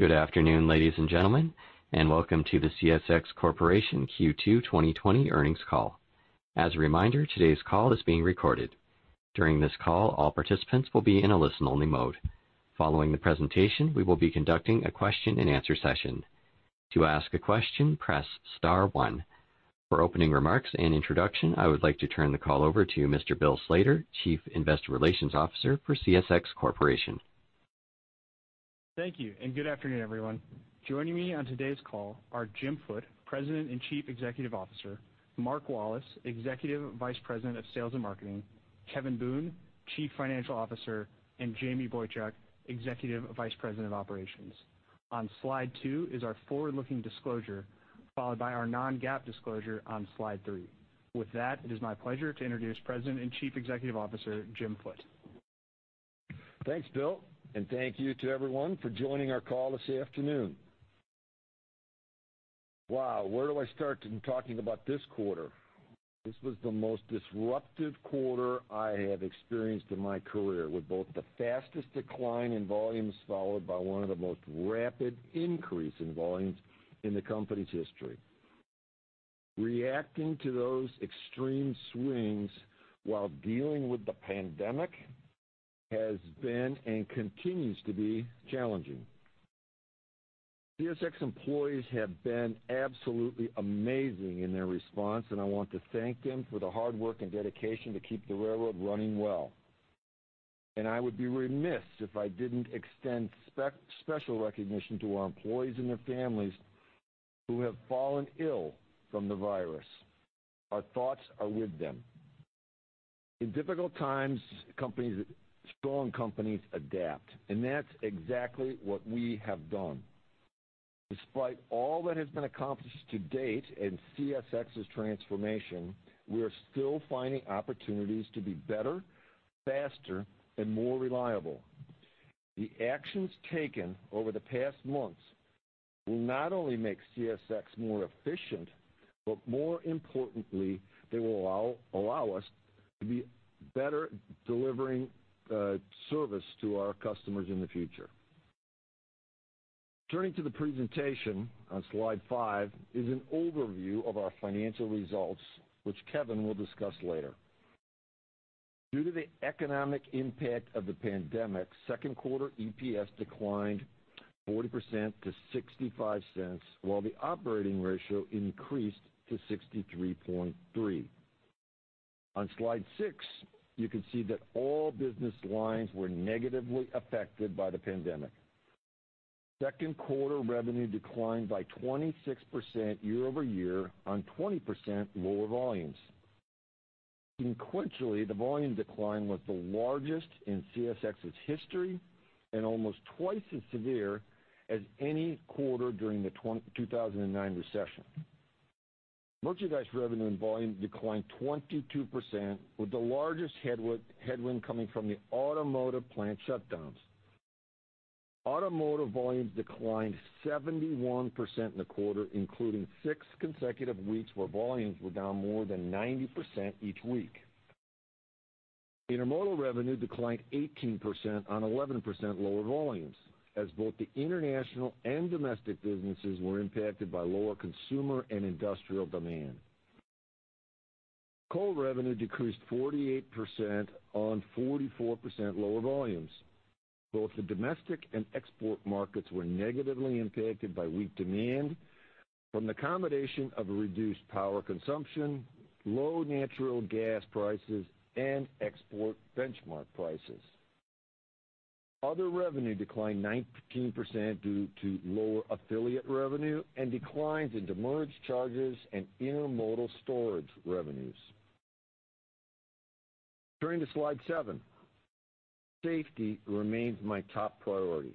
Good afternoon, ladies and gentlemen, and welcome to the CSX Corporation Q2 2020 earnings call. As a reminder, today's call is being recorded. During this call, all participants will be in a listen-only mode. Following the presentation, we will be conducting a question and answer session. To ask a question, press *1. For opening remarks and introduction, I would like to turn the call over to Mr. Bill Slater, Chief Investor Relations Officer for CSX Corporation. Thank you. Good afternoon, everyone. Joining me on today's call are Jim Foote, President and Chief Executive Officer, Mark Wallace, Executive Vice President of Sales and Marketing, Kevin Boone, Chief Financial Officer, and Jamie Boychuk, Executive Vice President of Operations. On slide two is our forward-looking disclosure, followed by our non-GAAP disclosure on slide three. With that, it is my pleasure to introduce President and Chief Executive Officer, Jim Foote. Thanks, Bill, thank you to everyone for joining our call this afternoon. Wow, where do I start in talking about this quarter? This was the most disruptive quarter I have experienced in my career, with both the fastest decline in volumes, followed by one of the most rapid increase in volumes in the company's history. Reacting to those extreme swings while dealing with the pandemic has been, and continues to be challenging. CSX employees have been absolutely amazing in their response, and I want to thank them for the hard work and dedication to keep the railroad running well. I would be remiss if I didn't extend special recognition to our employees and their families who have fallen ill from the virus. Our thoughts are with them. In difficult times, strong companies adapt, and that's exactly what we have done. Despite all that has been accomplished to date in CSX's transformation, we are still finding opportunities to be better, faster, and more reliable. The actions taken over the past months will not only make CSX more efficient, but more importantly, they will allow us to be better at delivering service to our customers in the future. Turning to the presentation, on slide five is an overview of our financial results, which Kevin will discuss later. Due to the economic impact of the pandemic, second quarter EPS declined 40% to $0.65, while the operating ratio increased to 63.3. On slide six, you can see that all business lines were negatively affected by the pandemic. Second quarter revenue declined by 26% year-over-year on 20% lower volumes. Sequentially, the volume decline was the largest in CSX's history and almost twice as severe as any quarter during the 2009 recession. Merchandise revenue and volume declined 22%, with the largest headwind coming from the automotive plant shutdowns. Automotive volumes declined 71% in the quarter, including six consecutive weeks where volumes were down more than 90% each week. Intermodal revenue declined 18% on 11% lower volumes as both the international and domestic businesses were impacted by lower consumer and industrial demand. Coal revenue decreased 48% on 44% lower volumes. Both the domestic and export markets were negatively impacted by weak demand from the combination of reduced power consumption, low natural gas prices, and export benchmark prices. Other revenue declined 19% due to lower affiliate revenue and declines in demurrage charges and intermodal storage revenues. Turning to slide seven. Safety remains my top priority.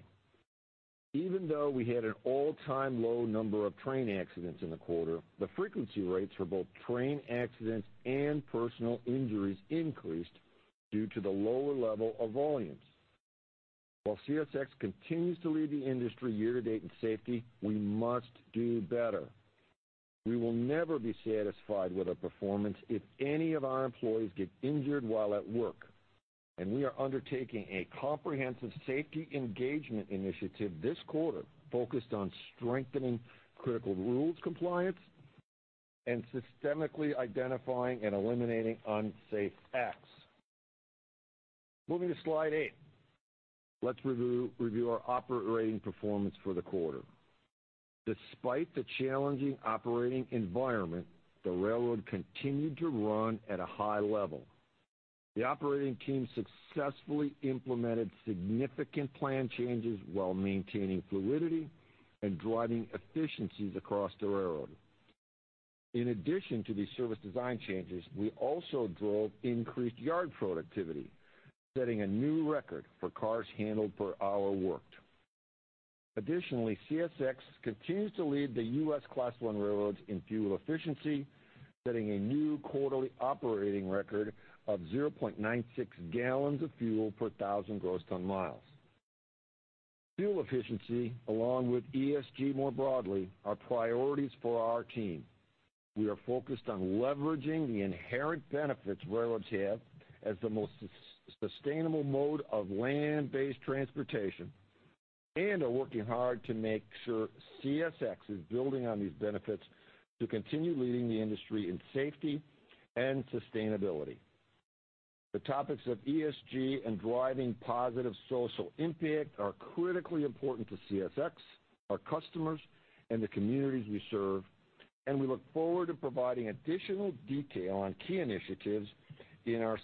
Even though we had an all-time low number of train accidents in the quarter, the frequency rates for both train accidents and personal injuries increased due to the lower level of volumes. While CSX continues to lead the industry year to date in safety, we must do better. We will never be satisfied with our performance if any of our employees get injured while at work, and we are undertaking a comprehensive safety engagement initiative this quarter focused on strengthening critical rules compliance and systemically identifying and eliminating unsafe acts. Moving to slide eight. Let's review our operating performance for the quarter. Despite the challenging operating environment, the railroad continued to run at a high level. The operating team successfully implemented significant plan changes while maintaining fluidity and driving efficiencies across the railroad. In addition to these service design changes, we also drove increased yard productivity, setting a new record for cars handled per hour worked. Additionally, CSX continues to lead the U.S. Class I railroads in fuel efficiency, setting a new quarterly operating record of 0.96 gallons of fuel per 1,000 gross ton miles. Fuel efficiency, along with ESG more broadly, are priorities for our team. We are focused on leveraging the inherent benefits railroads have as the most sustainable mode of land-based transportation and are working hard to make sure CSX is building on these benefits to continue leading the industry in safety and sustainability. The topics of ESG and driving positive social impact are critically important to CSX, our customers, and the communities we serve, and we look forward to providing additional detail on key initiatives in our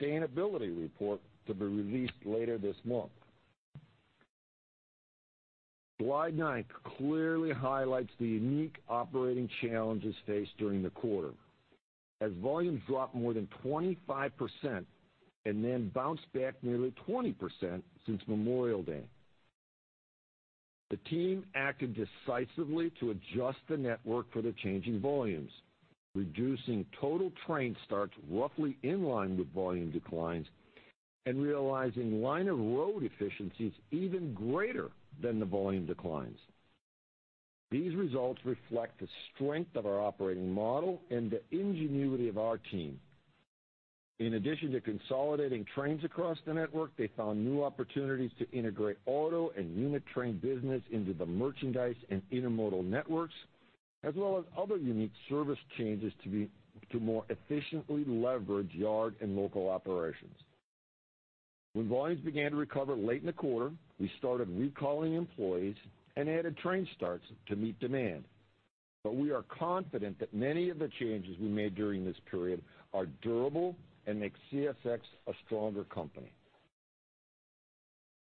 sustainability report to be released later this month. Slide nine clearly highlights the unique operating challenges faced during the quarter. As volumes dropped more than 25% and then bounced back nearly 20% since Memorial Day. The team acted decisively to adjust the network for the changing volumes, reducing total train starts roughly in line with volume declines and realizing line of road efficiencies even greater than the volume declines. These results reflect the strength of our operating model and the ingenuity of our team. In addition to consolidating trains across the network, they found new opportunities to integrate auto and unit train business into the merchandise and intermodal networks, as well as other unique service changes to more efficiently leverage yard and local operations. When volumes began to recover late in the quarter, we started recalling employees and added train starts to meet demand. We are confident that many of the changes we made during this period are durable and make CSX a stronger company.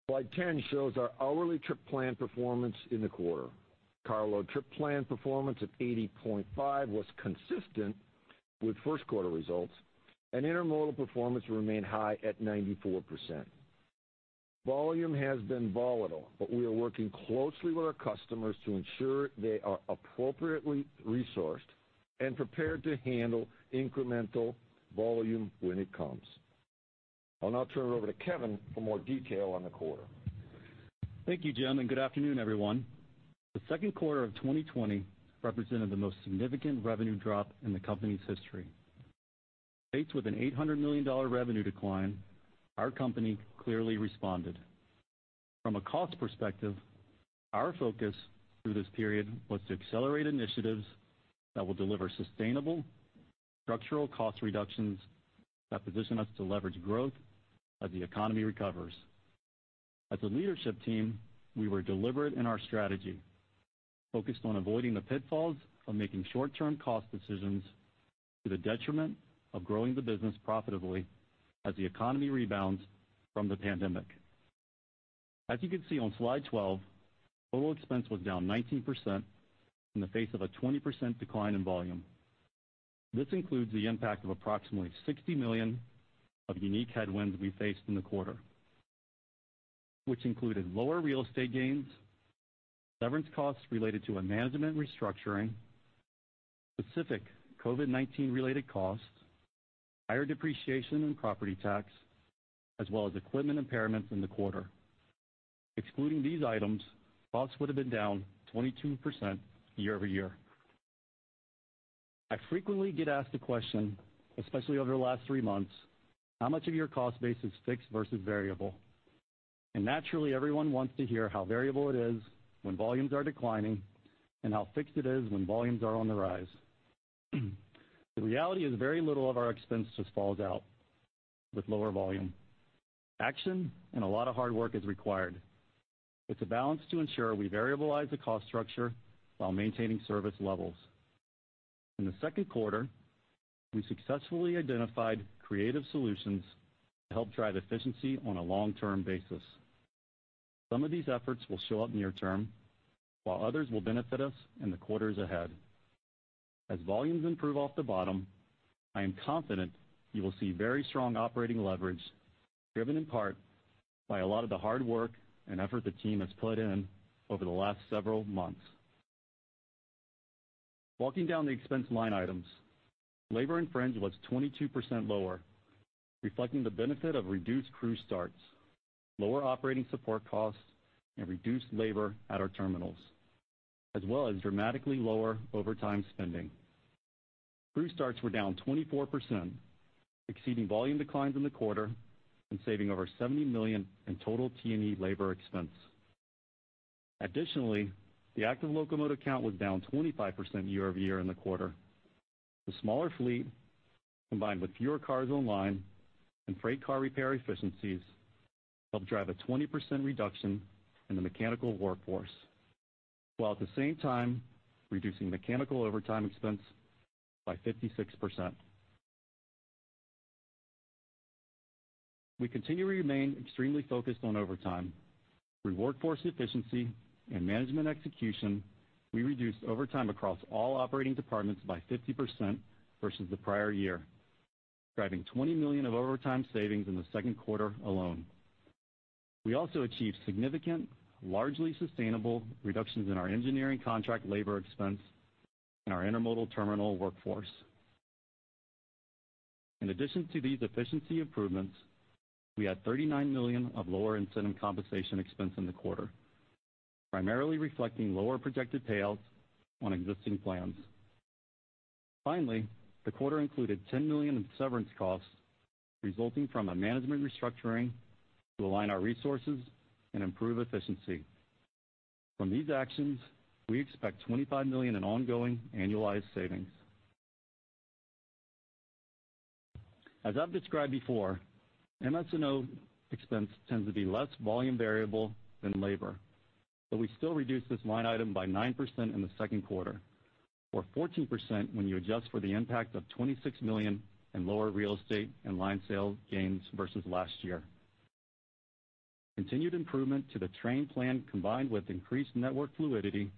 Slide 10 shows our hourly trip plan performance in the quarter. Carload trip plan performance of 80.5 was consistent with first quarter results, and intermodal performance remained high at 94%. Volume has been volatile, but we are working closely with our customers to ensure they are appropriately resourced and prepared to handle incremental volume when it comes. I'll now turn it over to Kevin for more detail on the quarter. Thank you, Jim, and good afternoon, everyone. The second quarter of 2020 represented the most significant revenue drop in the company's history. Faced with an $800 million revenue decline, our company clearly responded. From a cost perspective, our focus through this period was to accelerate initiatives that will deliver sustainable structural cost reductions that position us to leverage growth as the economy recovers. As a leadership team, we were deliberate in our strategy, focused on avoiding the pitfalls of making short-term cost decisions to the detriment of growing the business profitably as the economy rebounds from the pandemic. As you can see on slide 12, total expense was down 19% in the face of a 20% decline in volume. This includes the impact of approximately $60 million of unique headwinds we faced in the quarter, which included lower real estate gains, severance costs related to a management restructuring, specific COVID-19 related costs, higher depreciation and property tax, as well as equipment impairments in the quarter. Excluding these items, costs would've been down 22% year-over-year. I frequently get asked the question, especially over the last three months, "How much of your cost base is fixed versus variable?" Naturally, everyone wants to hear how variable it is when volumes are declining and how fixed it is when volumes are on the rise. The reality is very little of our expense just falls out with lower volume. Action and a lot of hard work is required. It's a balance to ensure we variabilize the cost structure while maintaining service levels. In the second quarter, we successfully identified creative solutions to help drive efficiency on a long-term basis. Some of these efforts will show up near term, while others will benefit us in the quarters ahead. As volumes improve off the bottom, I am confident you will see very strong operating leverage driven in part by a lot of the hard work and effort the team has put in over the last several months. Walking down the expense line items, labor and fringe was 22% lower, reflecting the benefit of reduced crew starts, lower operating support costs, and reduced labor at our terminals, as well as dramatically lower overtime spending. Crew starts were down 24%, exceeding volume declines in the quarter and saving over $70 million in total T&E labor expense. Additionally, the active locomotive count was down 25% year-over-year in the quarter. The smaller fleet, combined with fewer cars on line and freight car repair efficiencies, helped drive a 20% reduction in the mechanical workforce, while at the same time reducing mechanical overtime expense by 56%. We continue to remain extremely focused on overtime. Through workforce efficiency and management execution, we reduced overtime across all operating departments by 50% versus the prior year, driving $20 million of overtime savings in the second quarter alone. We also achieved significant, largely sustainable reductions in our engineering contract labor expense and our intermodal terminal workforce. In addition to these efficiency improvements, we had $39 million of lower incentive compensation expense in the quarter, primarily reflecting lower projected payouts on existing plans. Finally, the quarter included $10 million in severance costs resulting from a management restructuring to align our resources and improve efficiency. From these actions, we expect $25 million in ongoing annualized savings. As I've described before, MS&O expense tends to be less volume variable than labor, but we still reduced this line item by 9% in the second quarter, or 14% when you adjust for the impact of $26 million in lower real estate and line sales gains versus last year. Continued improvement to the train plan combined with increased network fluidity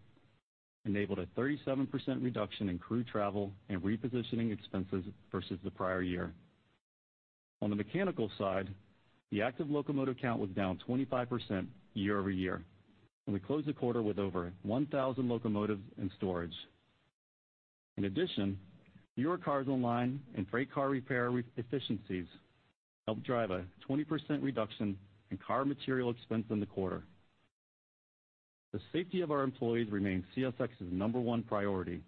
enabled a 37% reduction in crew travel and repositioning expenses versus the prior year. On the mechanical side, the active locomotive count was down 25% year-over-year, and we closed the quarter with over 1,000 locomotives in storage. In addition, fewer cars on line and freight car repair efficiencies helped drive a 20% reduction in car material expense in the quarter. The safety of our employees remains CSX's number 1 priority.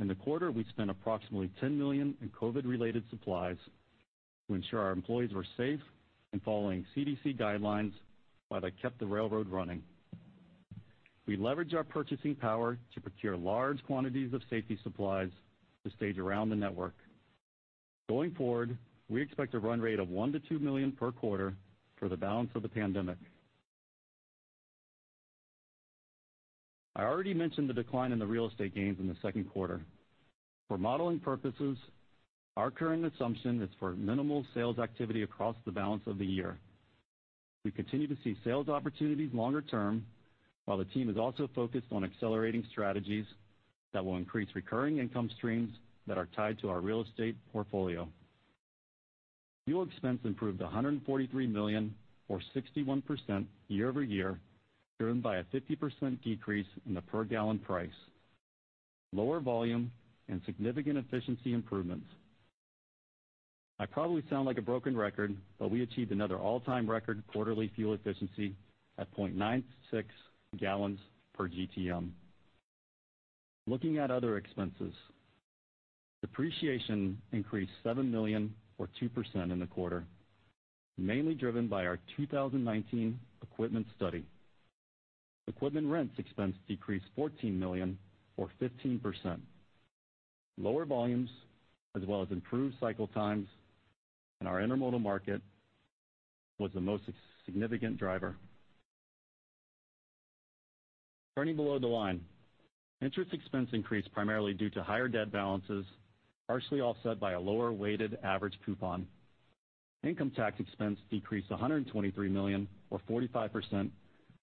In the quarter, we spent approximately $10 million in COVID-related supplies to ensure our employees were safe and following CDC guidelines while they kept the railroad running. We leveraged our purchasing power to procure large quantities of safety supplies to stage around the network. Going forward, we expect a run rate of $1 million-$2 million per quarter for the balance of the pandemic. I already mentioned the decline in the real estate gains in the second quarter. For modeling purposes, our current assumption is for minimal sales activity across the balance of the year. We continue to see sales opportunities longer term, while the team is also focused on accelerating strategies that will increase recurring income streams that are tied to our real estate portfolio. Fuel expense improved to $143 million or 61% year-over-year, driven by a 50% decrease in the per gallon price, lower volume, and significant efficiency improvements. I probably sound like a broken record, but we achieved another all-time record quarterly fuel efficiency at 0.96 gallons per GTM. Looking at other expenses. Depreciation increased $7 million or 2% in the quarter, mainly driven by our 2019 equipment study. Equipment rents expense decreased $14 million or 15%. Lower volumes as well as improved cycle times in our intermodal market was the most significant driver. Turning below the line. Interest expense increased primarily due to higher debt balances, partially offset by a lower weighted average coupon. Income tax expense decreased $123 million or 45%,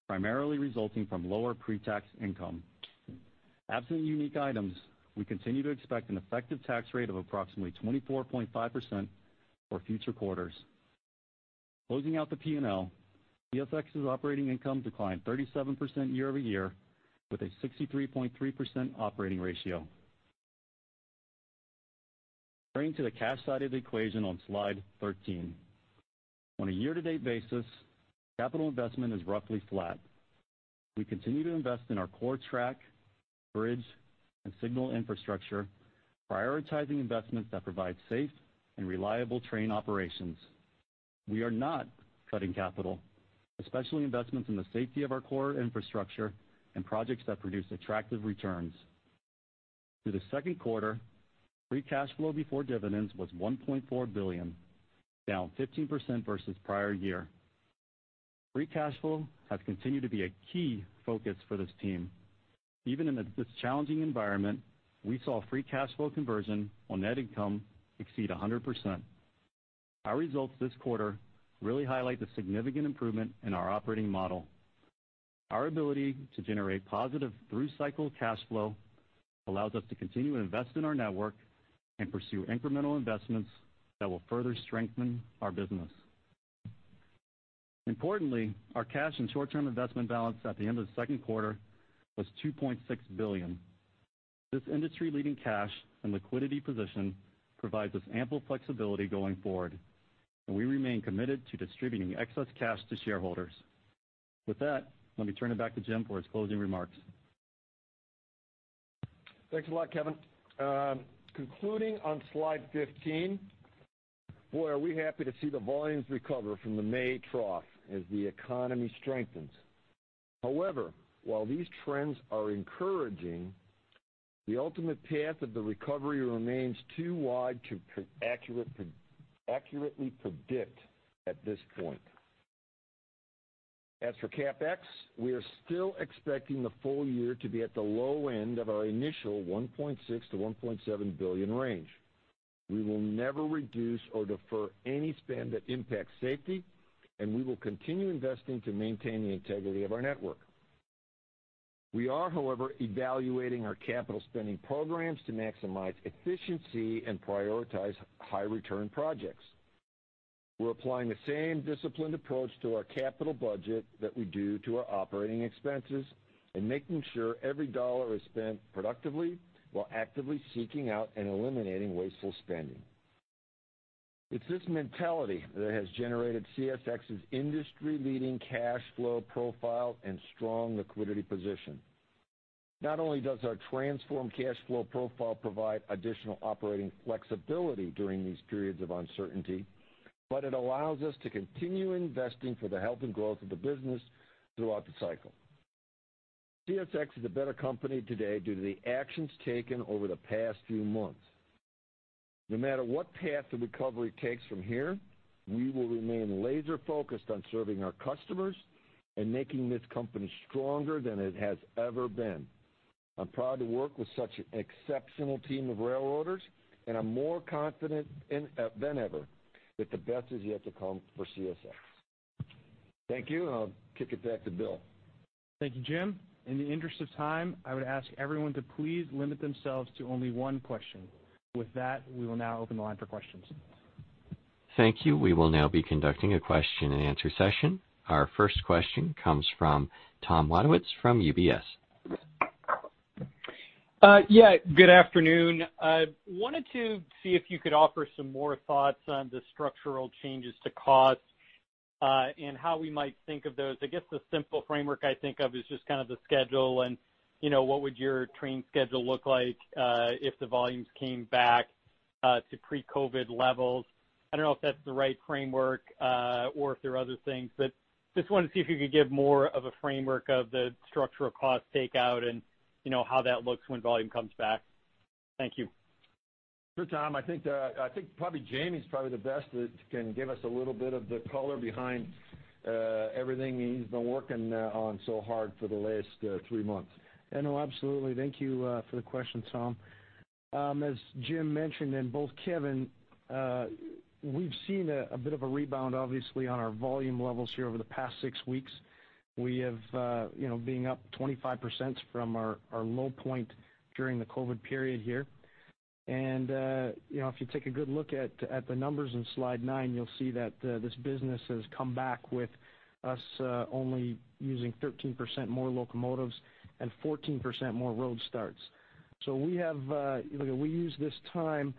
primarily resulting from lower pre-tax income. Absent unique items, we continue to expect an effective tax rate of approximately 24.5% for future quarters. Closing out the P&L, CSX's operating income declined 37% year-over-year with a 63.3% operating ratio. Turning to the cash side of the equation on slide 13. On a year-to-date basis, capital investment is roughly flat. We continue to invest in our core track, bridge, and signal infrastructure, prioritizing investments that provide safe and reliable train operations. We are not cutting capital, especially investments in the safety of our core infrastructure and projects that produce attractive returns. Through the second quarter, free cash flow before dividends was $1.4 billion, down 15% versus prior year. Free cash flow has continued to be a key focus for this team. Even in this challenging environment, we saw free cash flow conversion on net income exceed 100%. Our results this quarter really highlight the significant improvement in our operating model. Our ability to generate positive through cycle cash flow allows us to continue to invest in our network and pursue incremental investments that will further strengthen our business. Importantly, our cash and short-term investment balance at the end of the second quarter was $2.6 billion. This industry-leading cash and liquidity position provides us ample flexibility going forward, and we remain committed to distributing excess cash to shareholders. With that, let me turn it back to Jim for his closing remarks. Thanks a lot, Kevin. Concluding on slide 15, boy, are we happy to see the volumes recover from the May trough as the economy strengthens. While these trends are encouraging, the ultimate path of the recovery remains too wide to accurately predict at this point. As for CapEx, we are still expecting the full year to be at the low end of our initial $1.6 billion-$1.7 billion range. We will never reduce or defer any spend that impacts safety, and we will continue investing to maintain the integrity of our network. We are, however, evaluating our capital spending programs to maximize efficiency and prioritize high return projects. We're applying the same disciplined approach to our capital budget that we do to our operating expenses and making sure every dollar is spent productively while actively seeking out and eliminating wasteful spending. It's this mentality that has generated CSX's industry-leading cash flow profile and strong liquidity position. Not only does our transformed cash flow profile provide additional operating flexibility during these periods of uncertainty, but it allows us to continue investing for the health and growth of the business throughout the cycle. CSX is a better company today due to the actions taken over the past few months. No matter what path the recovery takes from here, we will remain laser-focused on serving our customers and making this company stronger than it has ever been. I'm proud to work with such an exceptional team of railroaders, and I'm more confident than ever that the best is yet to come for CSX. Thank you, and I'll kick it back to Bill. Thank you, Jim. In the interest of time, I would ask everyone to please limit themselves to only one question. With that, we will now open the line for questions. Thank you. We will now be conducting a question and answer session. Our first question comes from Tom Wadewitz from UBS. Yeah, good afternoon. I wanted to see if you could offer some more thoughts on the structural changes to cost, and how we might think of those. I guess the simple framework I think of is just the schedule and what would your train schedule look like if the volumes came back to pre-COVID levels. I don't know if that's the right framework, or if there are other things, but just wanted to see if you could give more of a framework of the structural cost takeout and how that looks when volume comes back. Thank you. Sure, Tom. I think probably Jamie's probably the best that can give us a little bit of the color behind everything he's been working on so hard for the last three months. No, absolutely. Thank you for the question, Tom. As Jim mentioned, and both Kevin, we've seen a bit of a rebound, obviously, on our volume levels here over the past six weeks. We have being up 25% from our low point during the COVID period here. If you take a good look at the numbers in slide nine, you'll see that this business has come back with us only using 13% more locomotives and 14% more road starts. We used this time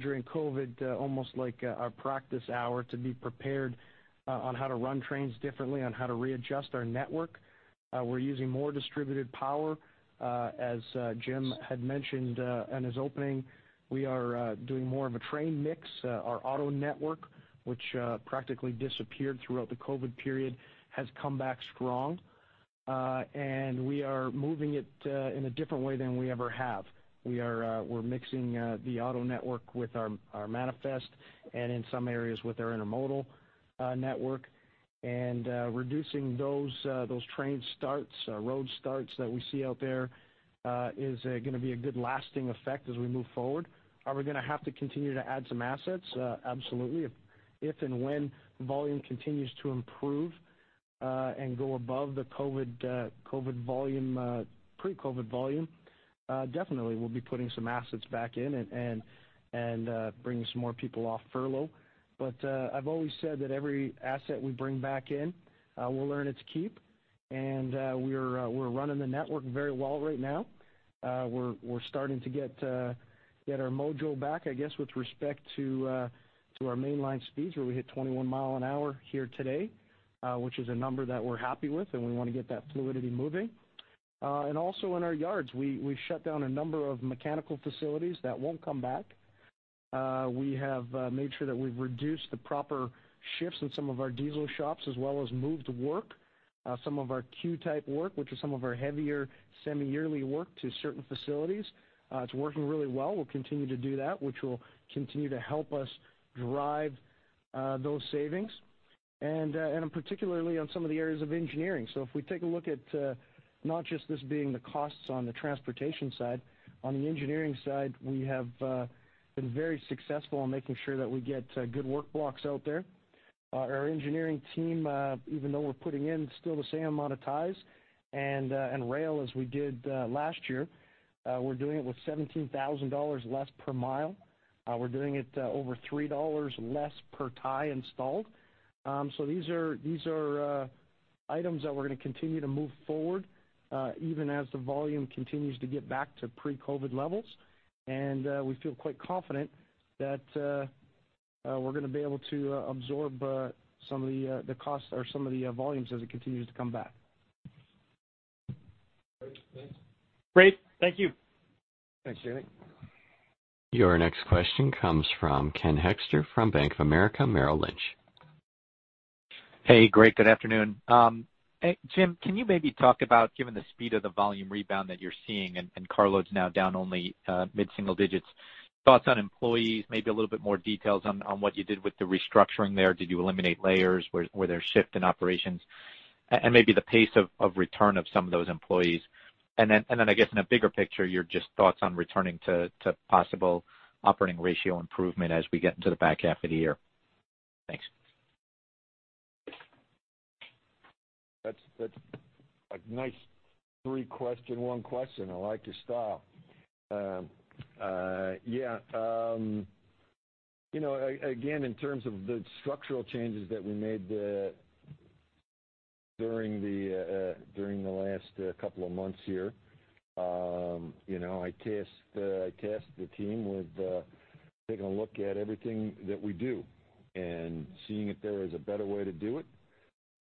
during COVID almost like our practice hour to be prepared on how to run trains differently, on how to readjust our network. We're using more distributed power, as Jim had mentioned in his opening. We are doing more of a train mix. Our auto network, which practically disappeared throughout the COVID period, has come back strong. We are moving it in a different way than we ever have. We're mixing the auto network with our manifest, and in some areas with our intermodal network. Reducing those train starts, road starts that we see out there is going to be a good lasting effect as we move forward. Are we going to have to continue to add some assets? Absolutely. If and when volume continues to improve, and go above the pre-COVID volume, definitely we'll be putting some assets back in and bringing some more people off furlough. I've always said that every asset we bring back in, we'll earn it to keep. We're running the network very well right now. We're starting to get our mojo back, I guess, with respect to our mainline speeds where we hit 21 mile an hour here today, which is a number that we're happy with and we want to get that fluidity moving. Also in our yards, we shut down a number of mechanical facilities that won't come back. We have made sure that we've reduced the proper shifts in some of our diesel shops as well as moved work, some of our Q-type work, which are some of our heavier semi-yearly work to certain facilities. It's working really well. We'll continue to do that, which will continue to help us drive those savings, and particularly on some of the areas of engineering. If we take a look at not just this being the costs on the transportation side, on the engineering side, we have been very successful in making sure that we get good work blocks out there. Our engineering team, even though we're putting in still the same amount of ties and rail as we did last year, we're doing it with $17,000 less per mile. We're doing it over $3 less per tie installed. These are items that we're going to continue to move forward, even as the volume continues to get back to pre-COVID-19 levels. We feel quite confident that we're going to be able to absorb some of the volumes as it continues to come back. Great, thanks. Great, thank you. Thanks, Jamie. Your next question comes from Ken Hoexter from Bank of America Merrill Lynch. Hey, great. Good afternoon. Jim, can you maybe talk about, given the speed of the volume rebound that you're seeing and carloads now down only mid-single digits, thoughts on employees, maybe a little bit more details on what you did with the restructuring there. Did you eliminate layers? Were there shifts in operations? Maybe the pace of return of some of those employees. I guess in a bigger picture, your just thoughts on returning to possible operating ratio improvement as we get into the back half of the year. Thanks. That's a nice three question in one question. I like your style. Yeah. Again, in terms of the structural changes that we made during the last couple of months here, I tasked the team with taking a look at everything that we do and seeing if there is a better way to do it.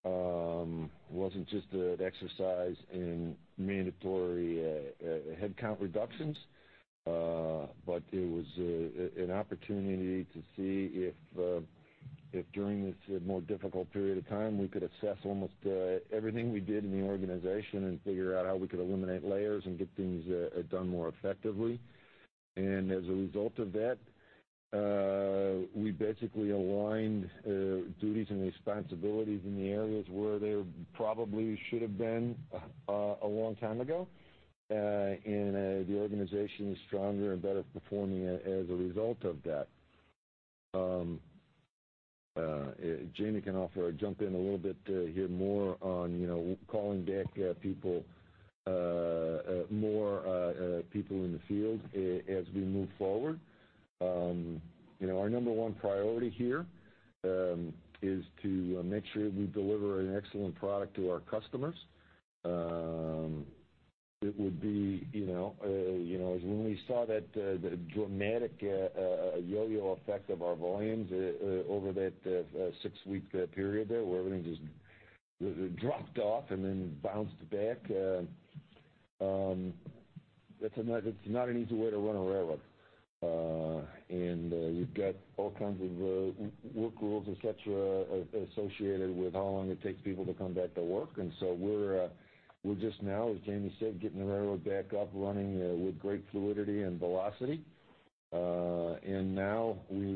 It wasn't just an exercise in mandatory headcount reductions, but it was an opportunity to see if during this more difficult period of time, we could assess almost everything we did in the organization and figure out how we could eliminate layers and get things done more effectively. As a result of that, we basically aligned duties and responsibilities in the areas where they probably should have been a long time ago. The organization is stronger and better performing as a result of that. Jamie can jump in a little bit here more on calling back more people in the field as we move forward. Our number one priority here is to make sure we deliver an excellent product to our customers. When we saw that dramatic yo-yo effect of our volumes over that six-week period there, where everything just dropped off and then bounced back, that's not an easy way to run a railroad. You've got all kinds of work rules, et cetera, associated with how long it takes people to come back to work. We're just now, as Jamie said, getting the railroad back up, running with great fluidity and velocity. Now we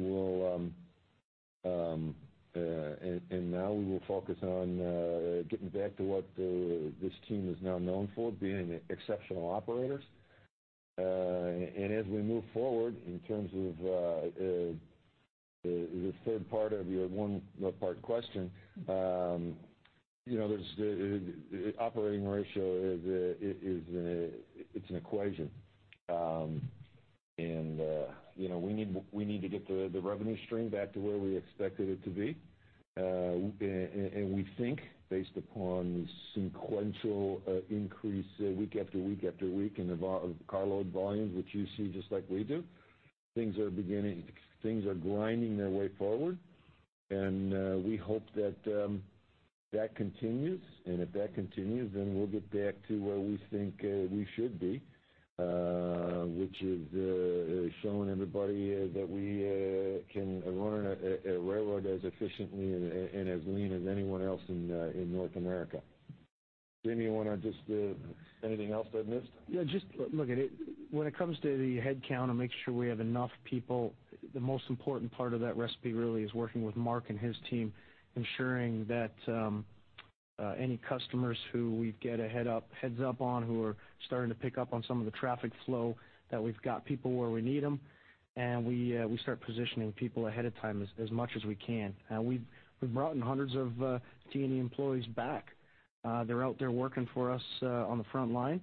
will focus on getting back to what this team is now known for, being exceptional operators. As we move forward, in terms of the third part of your one part question, operating ratio, it's an equation. We need to get the revenue stream back to where we expected it to be. We think, based upon sequential increase week after week after week in carload volumes, which you see just like we do, things are grinding their way forward. We hope that continues, and if that continues, we'll get back to where we think we should be, which is showing everybody that we can run a railroad as efficiently and as lean as anyone else in North America. Jamie, anything else I've missed? Just look, when it comes to the headcount and making sure we have enough people, the most important part of that recipe really is working with Mark and his team, ensuring that any customers who we get a heads up on who are starting to pick up on some of the traffic flow, that we've got people where we need them, and we start positioning people ahead of time as much as we can. We've brought in hundreds of T&E employees back. They're out there working for us on the front line,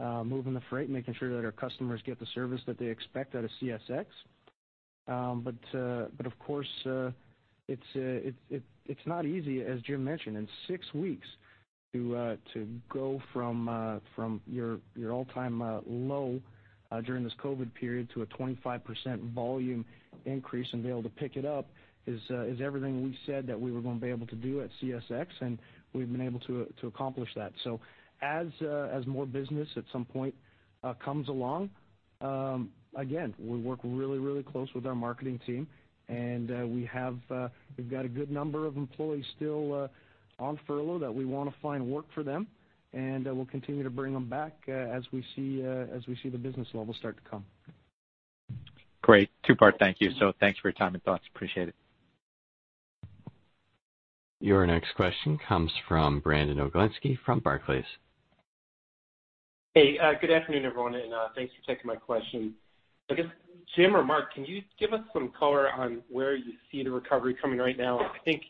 moving the freight, making sure that our customers get the service that they expect out of CSX. Of course, it's not easy, as Jim mentioned, in six weeks to go from your all-time low during this COVID period to a 25% volume increase and be able to pick it up is everything we said that we were going to be able to do at CSX, and we've been able to accomplish that. As more business at some point comes along, again, we work really close with our marketing team, and we've got a good number of employees still on furlough that we want to find work for them, and we'll continue to bring them back as we see the business levels start to come. Great. Two-part thank you. Thanks for your time and thoughts. Appreciate it. Your next question comes from Brandon Oglenski from Barclays. Hey, good afternoon, everyone, and thanks for taking my question. I guess, Jim or Mark, can you give us some color on where you see the recovery coming right now? I think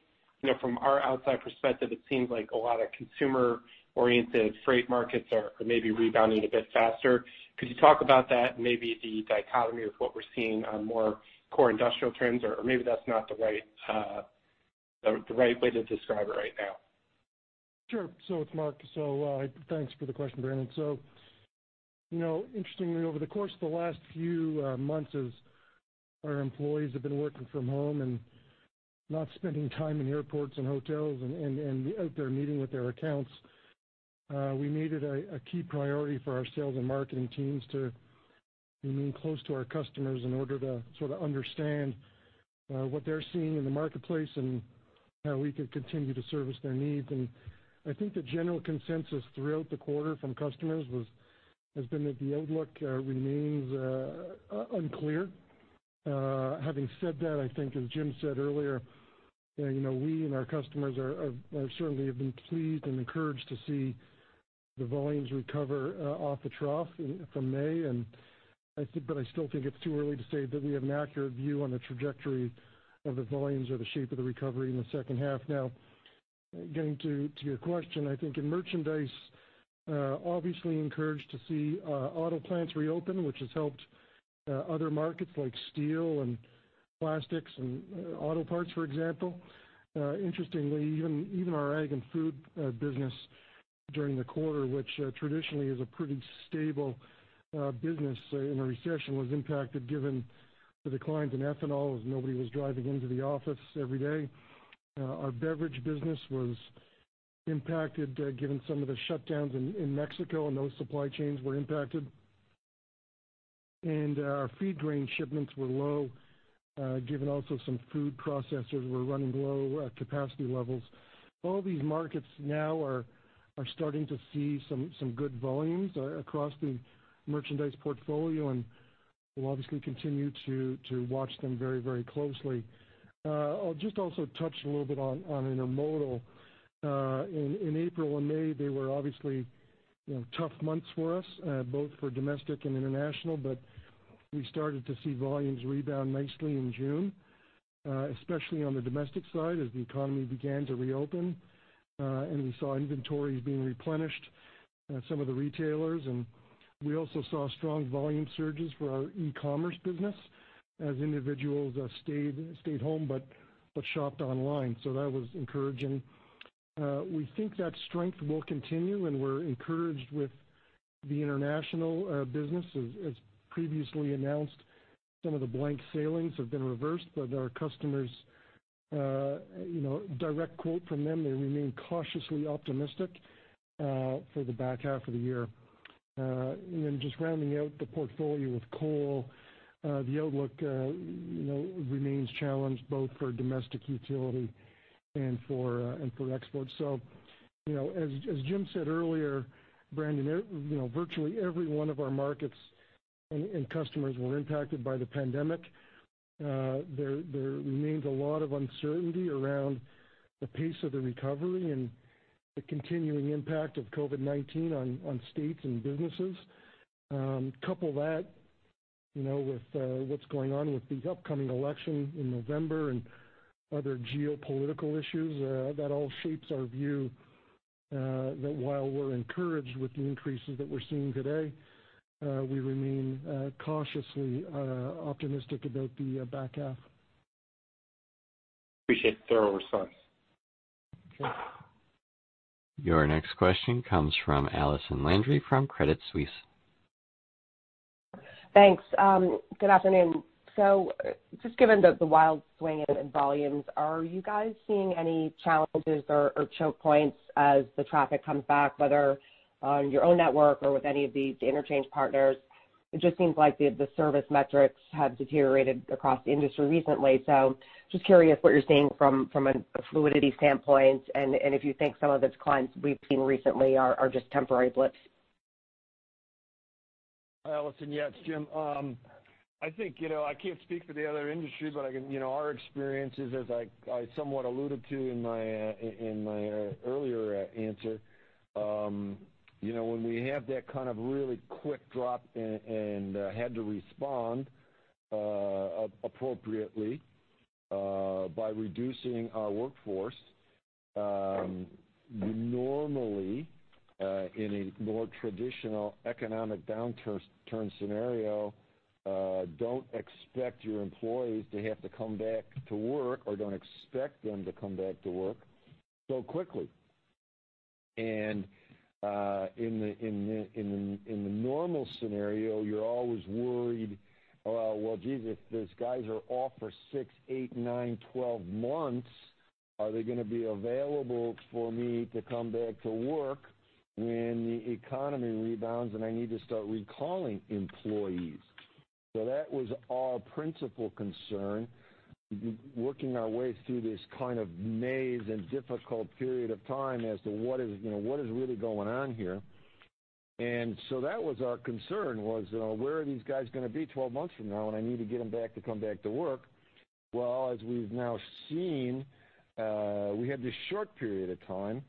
from our outside perspective, it seems like a lot of consumer-oriented freight markets are maybe rebounding a bit faster. Could you talk about that and maybe the dichotomy of what we're seeing on more core industrial trends? Maybe that's not the right way to describe it right now. Sure. It's Mark. Thanks for the question, Brandon. Interestingly, over the course of the last few months, as our employees have been working from home and not spending time in airports and hotels and out there meeting with their accounts, we made it a key priority for our sales and marketing teams to remain close to our customers in order to sort of understand what they're seeing in the marketplace and how we could continue to service their needs. I think the general consensus throughout the quarter from customers has been that the outlook remains unclear. Having said that, I think as Jim said earlier, we and our customers certainly have been pleased and encouraged to see The volumes recover off the trough from May, but I still think it's too early to say that we have an accurate view on the trajectory of the volumes or the shape of the recovery in the second half. Now, getting to your question, I think in merchandise, obviously encouraged to see auto plants reopen, which has helped other markets like steel and plastics and auto parts, for example. Interestingly, even our ag and food business during the quarter, which traditionally is a pretty stable business in a recession, was impacted given the decline in ethanol as nobody was driving into the office every day. Our beverage business was impacted given some of the shutdowns in Mexico and those supply chains were impacted. Our feed grain shipments were low given also some food processors were running low at capacity levels. All these markets now are starting to see some good volumes across the merchandise portfolio, and we'll obviously continue to watch them very closely. I'll just also touch a little bit on intermodal. In April and May, they were obviously tough months for us, both for domestic and international, but we started to see volumes rebound nicely in June, especially on the domestic side as the economy began to reopen. We saw inventories being replenished at some of the retailers, and we also saw strong volume surges for our e-commerce business as individuals stayed home, but shopped online. That was encouraging. We think that strength will continue, and we're encouraged with the international business. As previously announced, some of the blank sailings have been reversed. Our customers, direct quote from them, they remain cautiously optimistic for the back half of the year. Just rounding out the portfolio with coal, the outlook remains challenged both for domestic utility and for export. As Jim Foote said earlier, Brandon Oglenski, virtually every one of our markets and customers were impacted by the pandemic. There remains a lot of uncertainty around the pace of the recovery and the continuing impact of COVID-19 on states and businesses. Couple that with what's going on with the upcoming election in November and other geopolitical issues, that all shapes our view that while we're encouraged with the increases that we're seeing today, we remain cautiously optimistic about the back half. Appreciate the thorough response. Okay. Your next question comes from Allison Landry from Credit Suisse. Thanks. Good afternoon. Just given the wild swing in volumes, are you guys seeing any challenges or choke points as the traffic comes back, whether on your own network or with any of the interchange partners? It just seems like the service metrics have deteriorated across the industry recently. Just curious what you're seeing from a fluidity standpoint and if you think some of the declines we've seen recently are just temporary blips. Hi, Allison. Yeah, it's Jim. I can't speak for the other industry, but our experience is, as I somewhat alluded to in my earlier answer, when we have that kind of really quick drop and had to respond appropriately by reducing our workforce, you normally in a more traditional economic downturn scenario, don't expect your employees to have to come back to work or don't expect them to come back to work so quickly. In the normal scenario, you're always worried, "Well, jeez, if these guys are off for six, eight, nine, 12 months, are they going to be available for me to come back to work when the economy rebounds and I need to start recalling employees?" That was our principal concern, working our way through this kind of maze and difficult period of time as to what is really going on here. That was our concern was where are these guys going to be 12 months from now when I need to get them back to come back to work? Well, as we've now seen, we had this short period of time,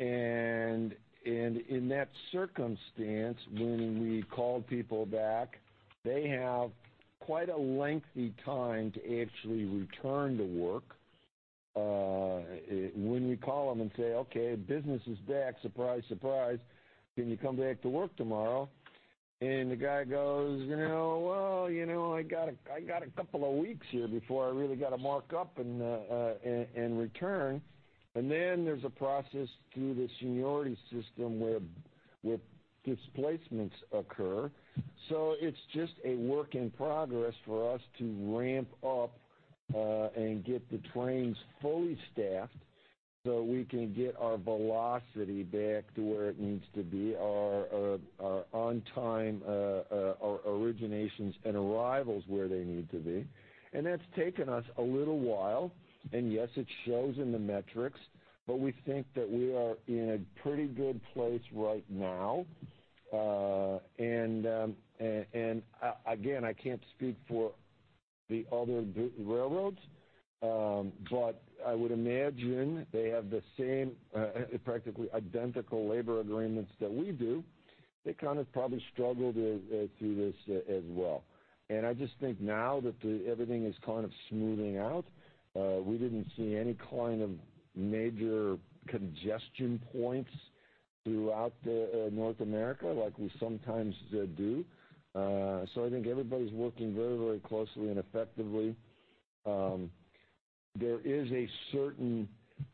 and in that circumstance, when we called people back, they have quite a lengthy time to actually return to work. When we call them and say, "Okay, business is back, surprise. Can you come back to work tomorrow?" The guy goes, "Well, I got a couple of weeks here before I really got to mark up and return." There's a process through the seniority system where displacements occur. It's just a work in progress for us to ramp up and get the trains fully staffed so we can get our velocity back to where it needs to be, our on-time originations and arrivals where they need to be. That's taken us a little while, and yes, it shows in the metrics, but we think that we are in a pretty good place right now. Again, I can't speak for the other railroads, but I would imagine they have the same, practically identical labor agreements that we do. They probably struggled through this as well. I just think now that everything is kind of smoothing out, we didn't see any kind of major congestion points throughout North America like we sometimes do. I think everybody's working very closely and effectively. There is a certain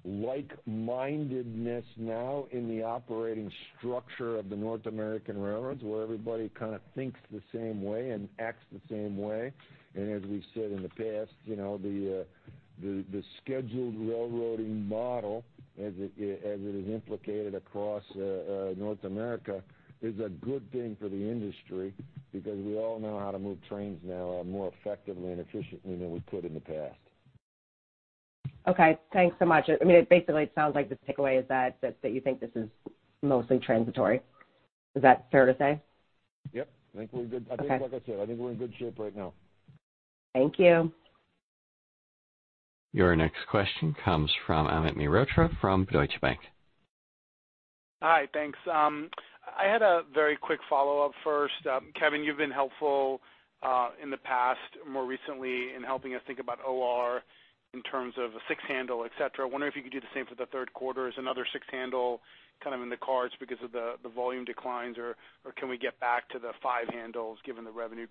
like-mindedness now in the operating structure of the North American railroads where everybody kind of thinks the same way and acts the same way. As we've said in the past, the scheduled railroading model, as it is implicated across North America, is a good thing for the industry because we all know how to move trains now more effectively and efficiently than we could in the past. Okay. Thanks so much. It sounds like the takeaway is that you think this is mostly transitory. Is that fair to say? Yep. I think we're good. Okay. I think, like I said, I think we're in good shape right now. Thank you. Your next question comes from Amit Mehrotra from Deutsche Bank. Hi, thanks. I had a very quick follow-up first. Kevin, you've been helpful in the past, more recently, in helping us think about OR in terms of a six handle, et cetera. I wonder if you could do the same for the third quarter. Is another six handle in the cards because of the volume declines, or can we get back to the five handles given the revenue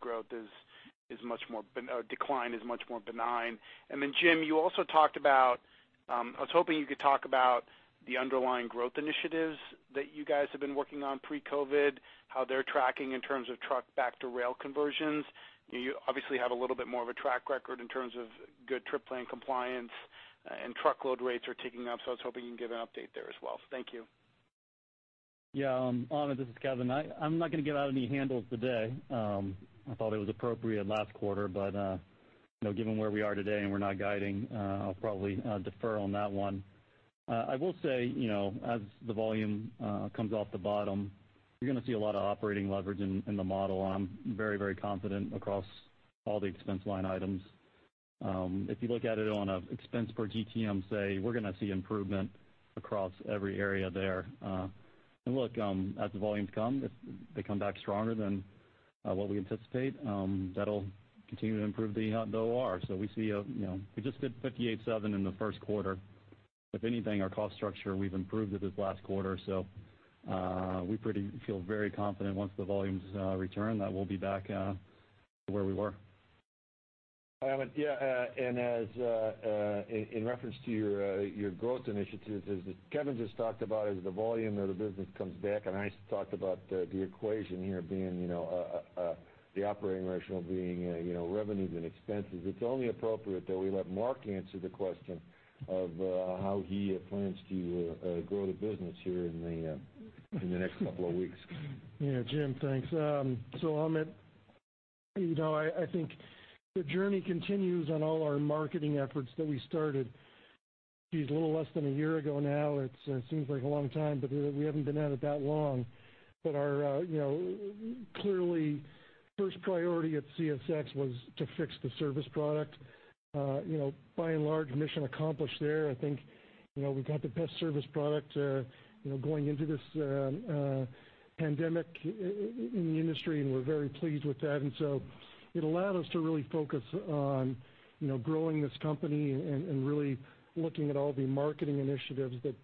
decline is much more benign? Jim, I was hoping you could talk about the underlying growth initiatives that you guys have been working on pre-COVID-19, how they're tracking in terms of truck back to rail conversions. You obviously have a little bit more of a track record in terms of good trip plan compliance and truckload rates are ticking up. I was hoping you could give an update there as well. Thank you. Yeah. Amit, this is Kevin. I'm not going to give out any handles today. I thought it was appropriate last quarter, but given where we are today and we're not guiding, I'll probably defer on that one. I will say, as the volume comes off the bottom, you're going to see a lot of operating leverage in the model, and I'm very confident across all the expense line items. If you look at it on a expense per GTM, say, we're going to see improvement across every area there. Look, as the volumes come, if they come back stronger than what we anticipate, that'll continue to improve the OR. We just did 58 seven in the first quarter. If anything, our cost structure, we've improved it this last quarter, so we feel very confident once the volumes return that we'll be back to where we were. Amit, yeah, in reference to your growth initiatives, as Kevin just talked about, as the volume of the business comes back, I talked about the equation here being, the operating rationale being revenues and expenses. It's only appropriate that we let Mark answer the question of how he plans to grow the business here in the next couple of weeks. Yeah, Jim. Thanks. Amit, I think the journey continues on all our marketing efforts that we started. Geez, a little less than a year ago now. It seems like a long time, we haven't been at it that long. Our clearly first priority at CSX was to fix the service product. By and large, mission accomplished there. I think we've got the best service product going into this pandemic in the industry, and we're very pleased with that. It allowed us to really focus on growing this company and really looking at all the marketing initiatives that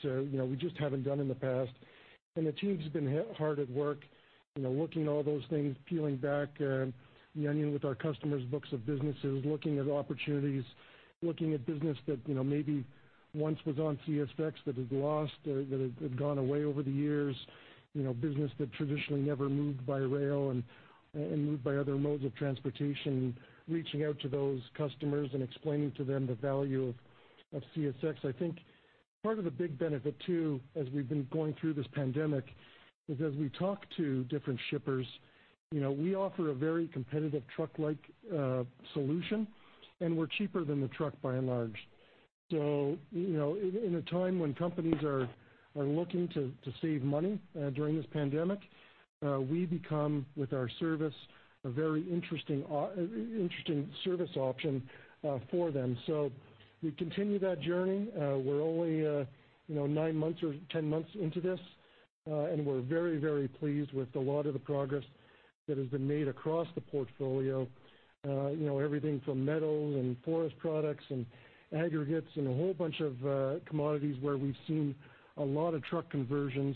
we just haven't done in the past. The team's been hard at work looking at all those things, peeling back the onion with our customers, books of businesses, looking at opportunities, looking at business that maybe once was on CSX that had lost or that had gone away over the years, business that traditionally never moved by rail and moved by other modes of transportation, reaching out to those customers and explaining to them the value of CSX. I think part of the big benefit, too, as we've been going through this pandemic, is as we talk to different shippers, we offer a very competitive truck-like solution, and we're cheaper than the truck by and large. In a time when companies are looking to save money during this pandemic, we become, with our service, a very interesting service option for them. We continue that journey. We're only nine months or 10 months into this, and we're very pleased with a lot of the progress that has been made across the portfolio. Everything from metals and forest products and aggregates and a whole bunch of commodities where we've seen a lot of truck conversions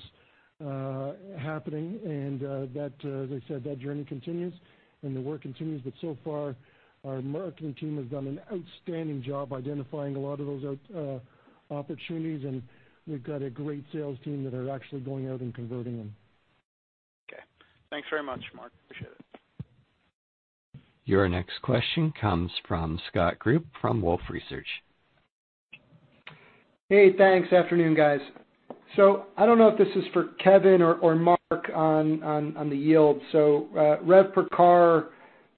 happening and as I said, that journey continues and the work continues, but so far our marketing team has done an outstanding job identifying a lot of those opportunities, and we've got a great sales team that are actually going out and converting them. Okay. Thanks very much, Mark. Appreciate it. Your next question comes from Scott Group from Wolfe Research. Hey, thanks. Afternoon, guys. I don't know if this is for Kevin or Mark on the yield. Revenue per carload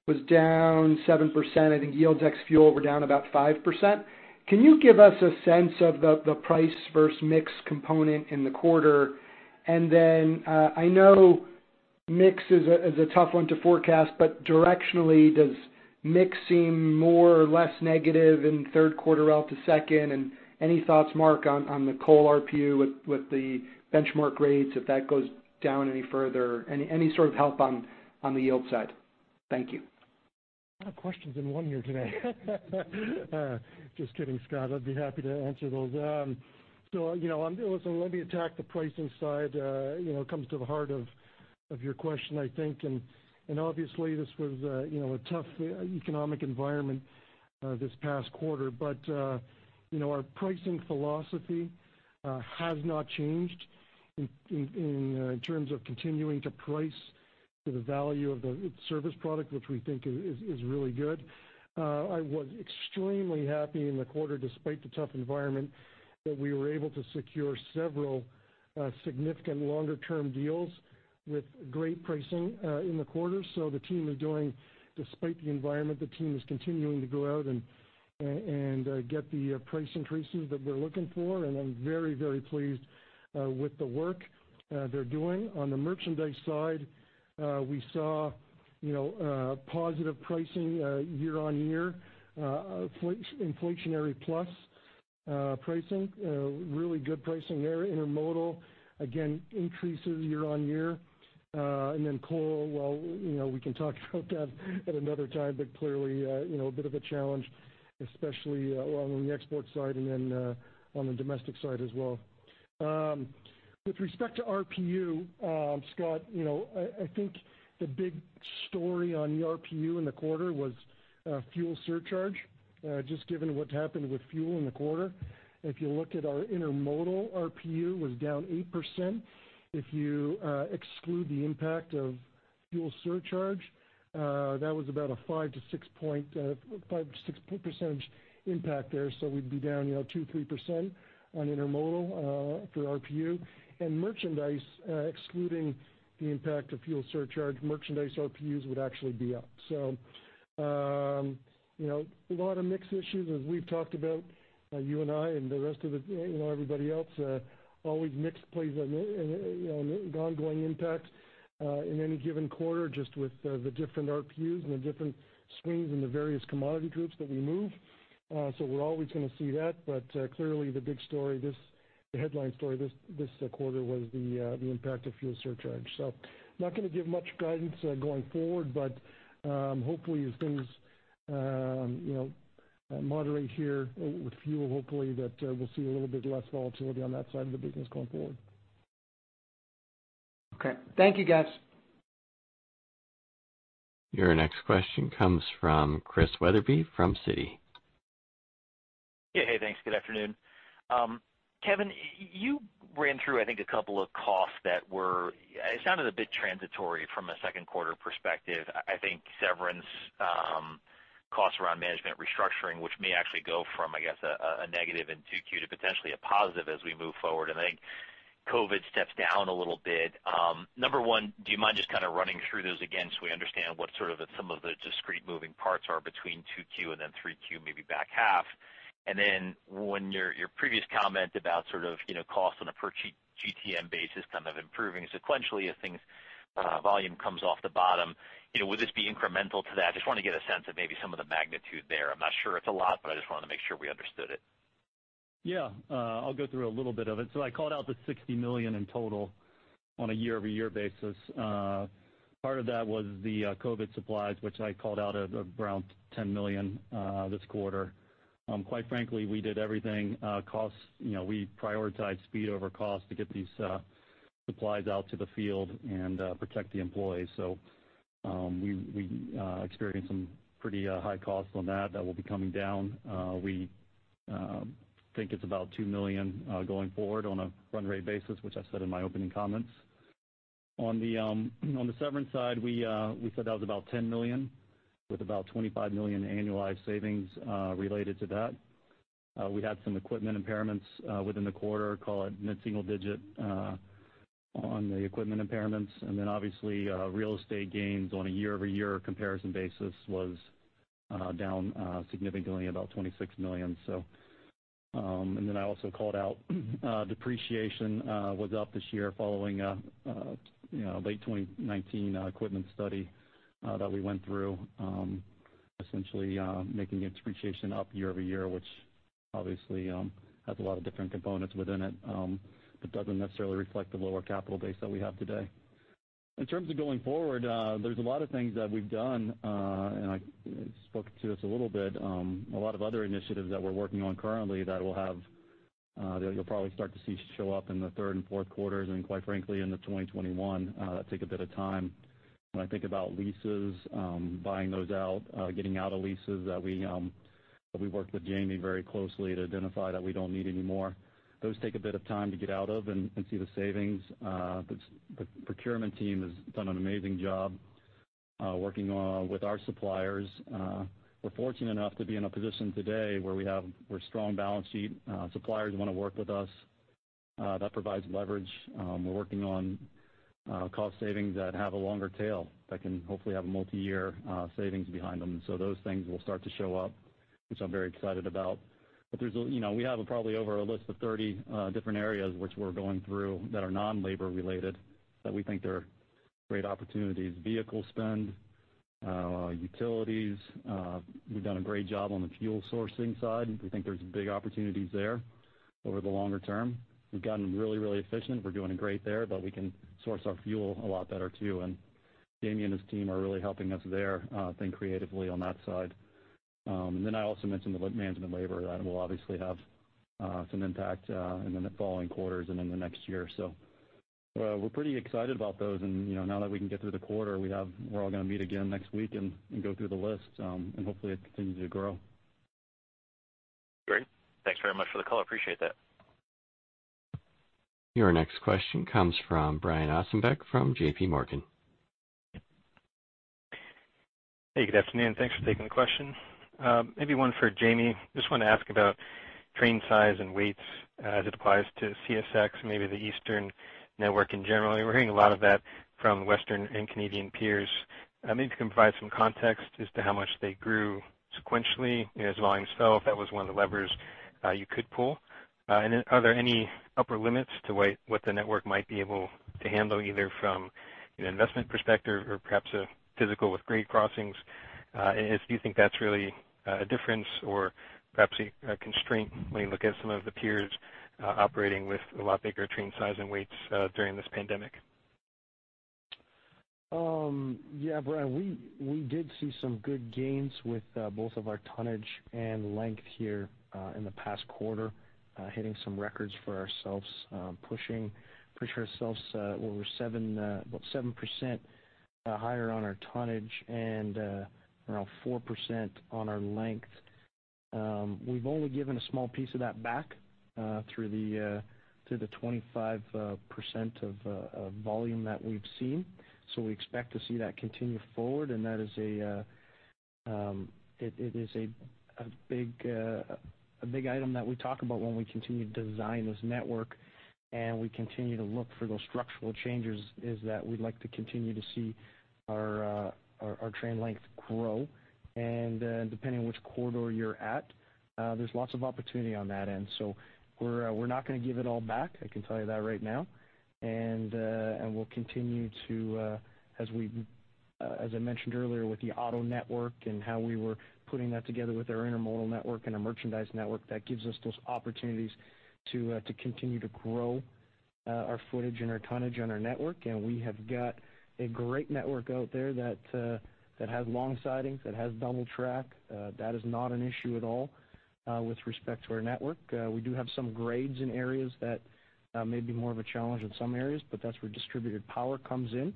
was down 7%. I think yields ex-fuel were down about 5%. Can you give us a sense of the price versus mix component in the quarter? I know mix is a tough one to forecast, but directionally, does mix seem more or less negative in third quarter out to second? Any thoughts, Mark, on the coal RPU with the benchmark grades, if that goes down any further? Any sort of help on the yield side? Thank you. A lot of questions in one here today. Just kidding, Scott. I'd be happy to answer those. Listen, let me attack the pricing side, it comes to the heart of your question, I think. Obviously, this was a tough economic environment this past quarter. Our pricing philosophy has not changed in terms of continuing to price to the value of its service product, which we think is really good. I was extremely happy in the quarter, despite the tough environment, that we were able to secure several significant longer-term deals with great pricing in the quarter. Despite the environment, the team is continuing to go out and get the price increases that we're looking for, and I'm very, very pleased with the work they're doing. On the merchandise side, we saw positive pricing year-over-year, inflationary plus pricing, really good pricing there. Intermodal, again, increases year-on-year. Coal, well, we can talk about that at another time, but clearly, a bit of a challenge, especially on the export side and on the domestic side as well. With respect to RPU, Scott, I think the big story on the RPU in the quarter was fuel surcharge, just given what's happened with fuel in the quarter. If you look at our intermodal RPU was down 8%. If you exclude the impact of fuel surcharge, that was about a 5%-6% impact there. We'd be down 2%-3% on intermodal for RPU. Excluding the impact of fuel surcharge, merchandise RPUs would actually be up. A lot of mix issues as we've talked about, you and I, and the rest of everybody else. Always mix plays an ongoing impact in any given quarter, just with the different RPUs and the different streams and the various commodity groups that we move. We're always going to see that. Not going to give much guidance going forward, but hopefully as things moderate here with fuel, hopefully that we'll see a little bit less volatility on that side of the business going forward. Okay. Thank you, guys. Your next question comes from Chris Wetherbee from Citi. Yeah. Hey, thanks. Good afternoon. Kevin, you ran through, I think, a couple of costs that were, it sounded a bit transitory from a second quarter perspective. I think severance costs around management restructuring, which may actually go from, I guess, a negative in 2Q to potentially a positive as we move forward. I think COVID steps down a little bit. Number one, do you mind just running through those again so we understand what some of the discrete moving parts are between 2Q and then 3Q, maybe back half. When your previous comment about cost on a per GTM basis improving sequentially as volume comes off the bottom, would this be incremental to that? I just want to get a sense of maybe some of the magnitude there. I'm not sure it's a lot, but I just wanted to make sure we understood it. I'll go through a little bit of it. I called out the $60 million in total on a year-over-year basis. Part of that was the COVID supplies, which I called out at around $10 million this quarter. Quite frankly, we did everything we prioritized speed over cost to get these supplies out to the field and protect the employees. We experienced some pretty high costs on that. That will be coming down. We think it's about $2 million going forward on a run rate basis, which I said in my opening comments. On the severance side, we said that was about $10 million, with about $25 million annualized savings related to that. We had some equipment impairments within the quarter, call it mid-single digit on the equipment impairments. Obviously, real estate gains on a year-over-year comparison basis was down significantly, about $26 million. I also called out depreciation was up this year following a late 2019 equipment study that we went through, essentially making depreciation up year-over-year, which obviously has a lot of different components within it, but doesn't necessarily reflect the lower capital base that we have today. In terms of going forward, there's a lot of things that we've done, and I spoke to this a little bit, a lot of other initiatives that we're working on currently that you'll probably start to see show up in the third and fourth quarters, and quite frankly, into 2021. That take a bit of time. When I think about leases, buying those out, getting out of leases that we worked with Jamie very closely to identify that we don't need anymore. Those take a bit of time to get out of and see the savings. The procurement team has done an amazing job working with our suppliers. We're fortunate enough to be in a position today where we're a strong balance sheet. Suppliers want to work with us. That provides leverage. We're working on cost savings that have a longer tail, that can hopefully have a multi-year savings behind them. Those things will start to show up, which I'm very excited about. We have probably over a list of 30 different areas which we're going through that are non-labor related that we think they are great opportunities. Vehicle spend, utilities, we've done a great job on the fuel sourcing side. We think there's big opportunities there over the longer term. We've gotten really efficient. We're doing great there, but we can source our fuel a lot better too, and Jamie and his team are really helping us there think creatively on that side. I also mentioned the management labor. That will obviously have some impact in the following quarters and in the next year. We're pretty excited about those and now that we can get through the quarter, we're all going to meet again next week and go through the list, and hopefully it continues to grow. Great. Thanks very much for the call. Appreciate that. Your next question comes from Brian Ossenbeck from J.P. Morgan. Hey, good afternoon. Thanks for taking the question. Maybe one for Jamie. Just want to ask about train size and weights as it applies to CSX, maybe the Eastern network in general. We're hearing a lot of that from Western and Canadian peers. Maybe you can provide some context as to how much they grew sequentially as volumes fell, if that was one of the levers you could pull. Are there any upper limits to what the network might be able to handle, either from an investment perspective or perhaps a physical with grade crossings? Do you think that's really a difference or perhaps a constraint when you look at some of the peers operating with a lot bigger train size and weights during this pandemic? Brian, we did see some good gains with both of our tonnage and length here in the past quarter, hitting some records for ourselves, pushing ourselves over 7% higher on our tonnage and around 4% on our length. We've only given a small piece of that back through the 25% of volume that we've seen. We expect to see that continue forward, and that is a big item that we talk about when we continue to design this network and we continue to look for those structural changes, is that we'd like to continue to see our train length grow. Depending on which corridor you're at, there's lots of opportunity on that end. We're not going to give it all back, I can tell you that right now. We'll continue to, as I mentioned earlier, with the auto network and how we were putting that together with our intermodal network and our merchandise network, that gives us those opportunities to continue to grow our footage and our tonnage on our network. We have got a great network out there that has long sidings, that has double track. That is not an issue at all with respect to our network. We do have some grades in areas that may be more of a challenge in some areas, but that's where distributed power comes in.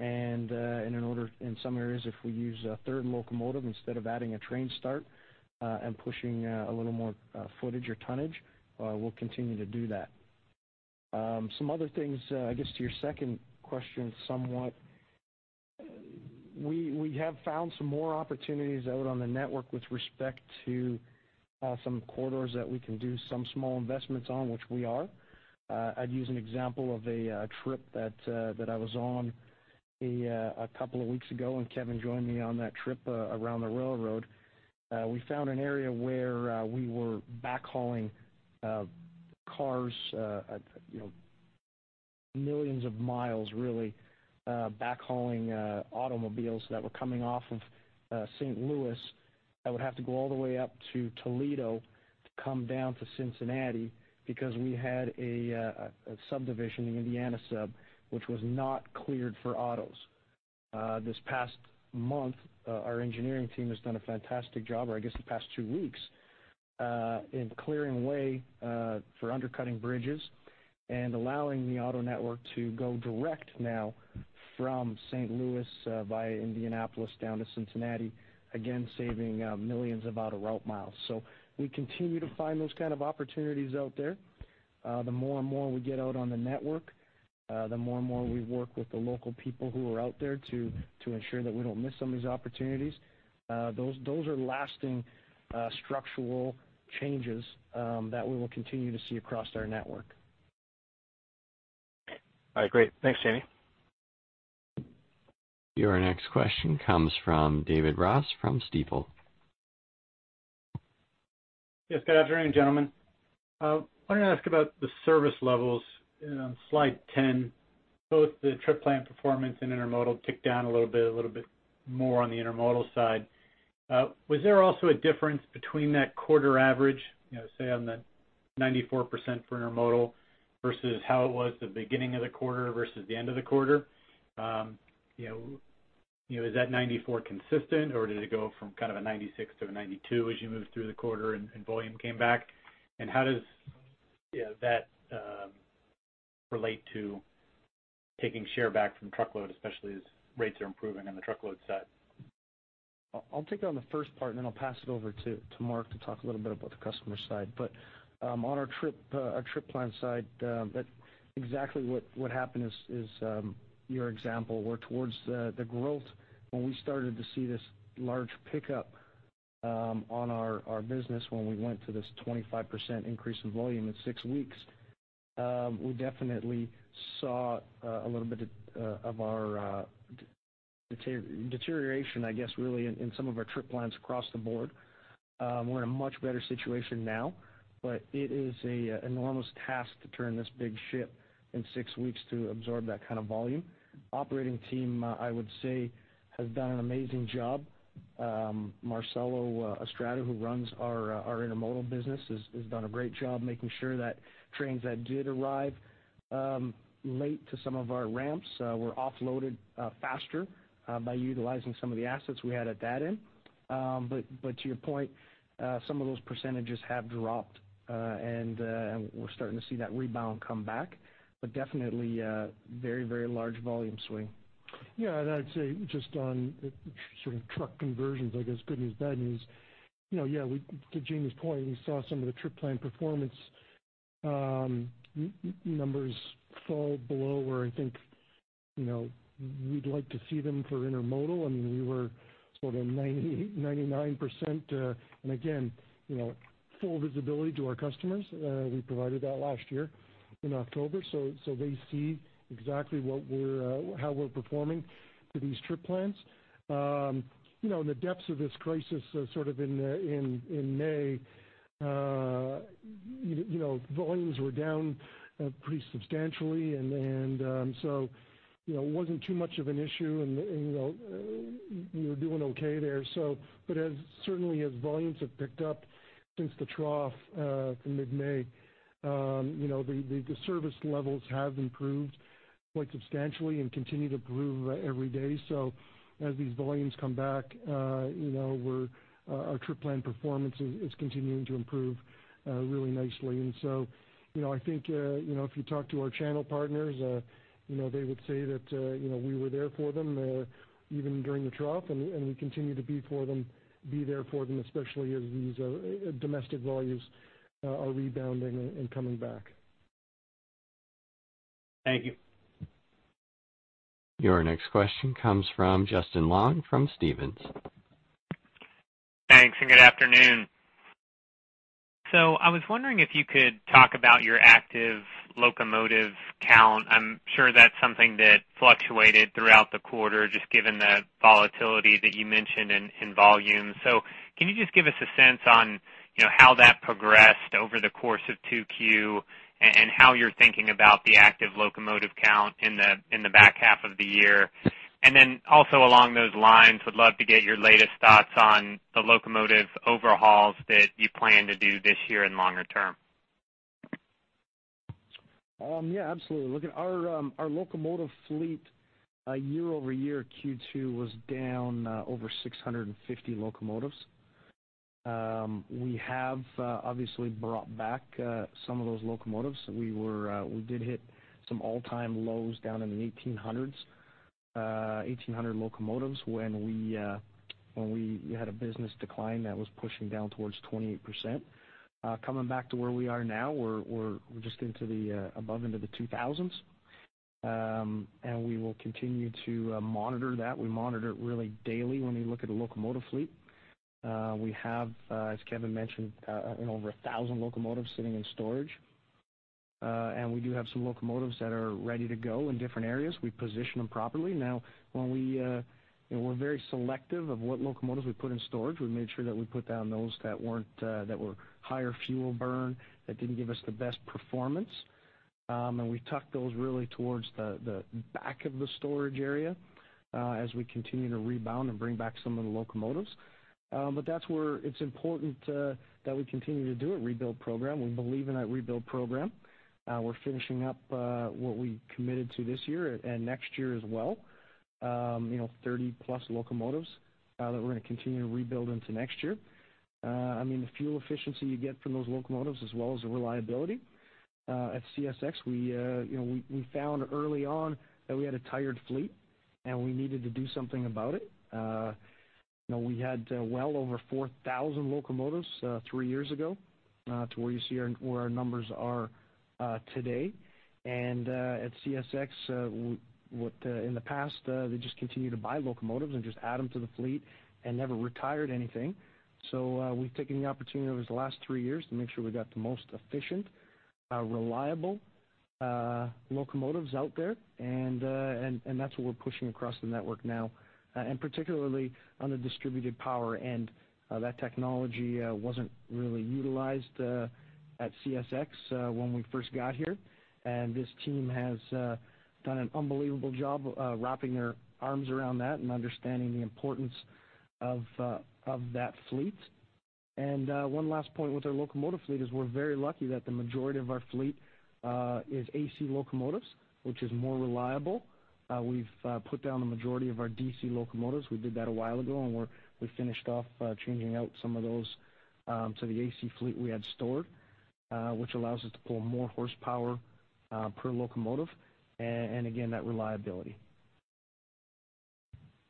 In some areas, if we use a third locomotive instead of adding a train start and pushing a little more footage or tonnage, we'll continue to do that. Some other things, I guess to your second question, somewhat, we have found some more opportunities out on the network with respect to some corridors that we can do some small investments on, which we are. I'd use an example of a trip that I was on a couple of weeks ago, and Kevin joined me on that trip around the railroad. We found an area where we were backhauling cars millions of miles, really, backhauling automobiles that were coming off of St. Louis that would have to go all the way up to Toledo to come down to Cincinnati because we had a subdivision, the Indiana Sub, which was not cleared for autos. This past month, our engineering team has done a fantastic job, or I guess the past two weeks, in clearing a way for undercutting bridges and allowing the auto network to go direct now from St. Louis via Indianapolis down to Cincinnati, again, saving millions of auto route miles. We continue to find those kind of opportunities out there. The more and more we get out on the network, the more and more we work with the local people who are out there to ensure that we don't miss some of these opportunities. Those are lasting structural changes that we will continue to see across our network. All right, great. Thanks, Jamie. Your next question comes from David Ross from Stifel. Yes, good afternoon, gentlemen. I wanted to ask about the service levels on slide 10, both the trip plan performance and intermodal ticked down a little bit, a little bit more on the intermodal side. Was there also a difference between that quarter average, say on the 94% for intermodal versus how it was the beginning of the quarter versus the end of the quarter? Is that 94 consistent or did it go from kind of a 96 to a 92 as you moved through the quarter and volume came back? How does that relate to taking share back from truckload, especially as rates are improving on the truckload side? I'll take on the first part and then I'll pass it over to Mark to talk a little bit about the customer side. On our trip plan side, exactly what happened is your example, where towards the growth, when we started to see this large pickup on our business when we went to this 25% increase in volume in six weeks, we definitely saw a little bit of our deterioration, I guess, really in some of our trip plans across the board. We're in a much better situation now, but it is an enormous task to turn this big ship in six weeks to absorb that kind of volume. Operating team, I would say, has done an amazing job. Marcelo Estrada, who runs our intermodal business, has done a great job making sure that trains that did arrive late to some of our ramps were offloaded faster by utilizing some of the assets we had at that end. To your point, some of those percentages have dropped, and we're starting to see that rebound come back. Definitely a very large volume swing. I'd say just on sort of truck conversions, I guess good news, bad news. To Jamie's point, we saw some of the trip plan performance numbers fall below where I think we'd like to see them for intermodal. We were sort of 99%. Again, full visibility to our customers. We provided that last year in October. They see exactly how we're performing to these trip plans. In the depths of this crisis, sort of in May, volumes were down pretty substantially. It wasn't too much of an issue. We were doing okay there. As certainly as volumes have picked up since the trough from mid-May, the service levels have improved quite substantially. Continue to improve every day. As these volumes come back, our trip plan performance is continuing to improve really nicely. I think if you talk to our channel partners, they would say that we were there for them even during the trough, and we continue to be there for them, especially as these domestic volumes are rebounding and coming back. Thank you. Your next question comes from Justin Long from Stephens. Thanks, good afternoon. I was wondering if you could talk about your active locomotive count. I'm sure that's something that fluctuated throughout the quarter, just given the volatility that you mentioned in volume. Can you just give us a sense on how that progressed over the course of 2Q and how you're thinking about the active locomotive count in the back half of the year? Also along those lines, would love to get your latest thoughts on the locomotive overhauls that you plan to do this year and longer term. Yeah, absolutely. Look at our locomotive fleet year-over-year, Q2 was down over 650 locomotives. We have obviously brought back some of those locomotives. We did hit some all-time lows down in the 1,800s, 1,800 locomotives when we had a business decline that was pushing down towards 28%. Coming back to where we are now, we're just into the above end of the 2,000s. We will continue to monitor that. We monitor it really daily when we look at a locomotive fleet. We have, as Kevin mentioned, over 1,000 locomotives sitting in storage. We do have some locomotives that are ready to go in different areas. We position them properly. Now, we're very selective of what locomotives we put in storage. We made sure that we put down those that were higher fuel burn, that didn't give us the best performance. We tucked those really towards the back of the storage area as we continue to rebound and bring back some of the locomotives. That's where it's important that we continue to do a rebuild program. We believe in that rebuild program. We're finishing up what we committed to this year and next year as well, 30 plus locomotives that we're going to continue to rebuild into next year. The fuel efficiency you get from those locomotives as well as the reliability. At CSX, we found early on that we had a tired fleet, and we needed to do something about it. We had well over 4,000 locomotives 3 years ago to where you see where our numbers are today. At CSX, in the past, they just continued to buy locomotives and just add them to the fleet and never retired anything. We've taken the opportunity over the last 3 years to make sure we got the most efficient, reliable locomotives out there, and that's what we're pushing across the network now, and particularly on the distributed power end. That technology wasn't really utilized at CSX when we first got here, this team has done an unbelievable job wrapping their arms around that and understanding the importance of that fleet. One last point with our locomotive fleet is we're very lucky that the majority of our fleet is AC locomotives, which is more reliable. We've put down the majority of our DC locomotives. We did that a while ago, we finished off changing out some of those to the AC fleet we had stored, which allows us to pull more horsepower per locomotive, and again, that reliability.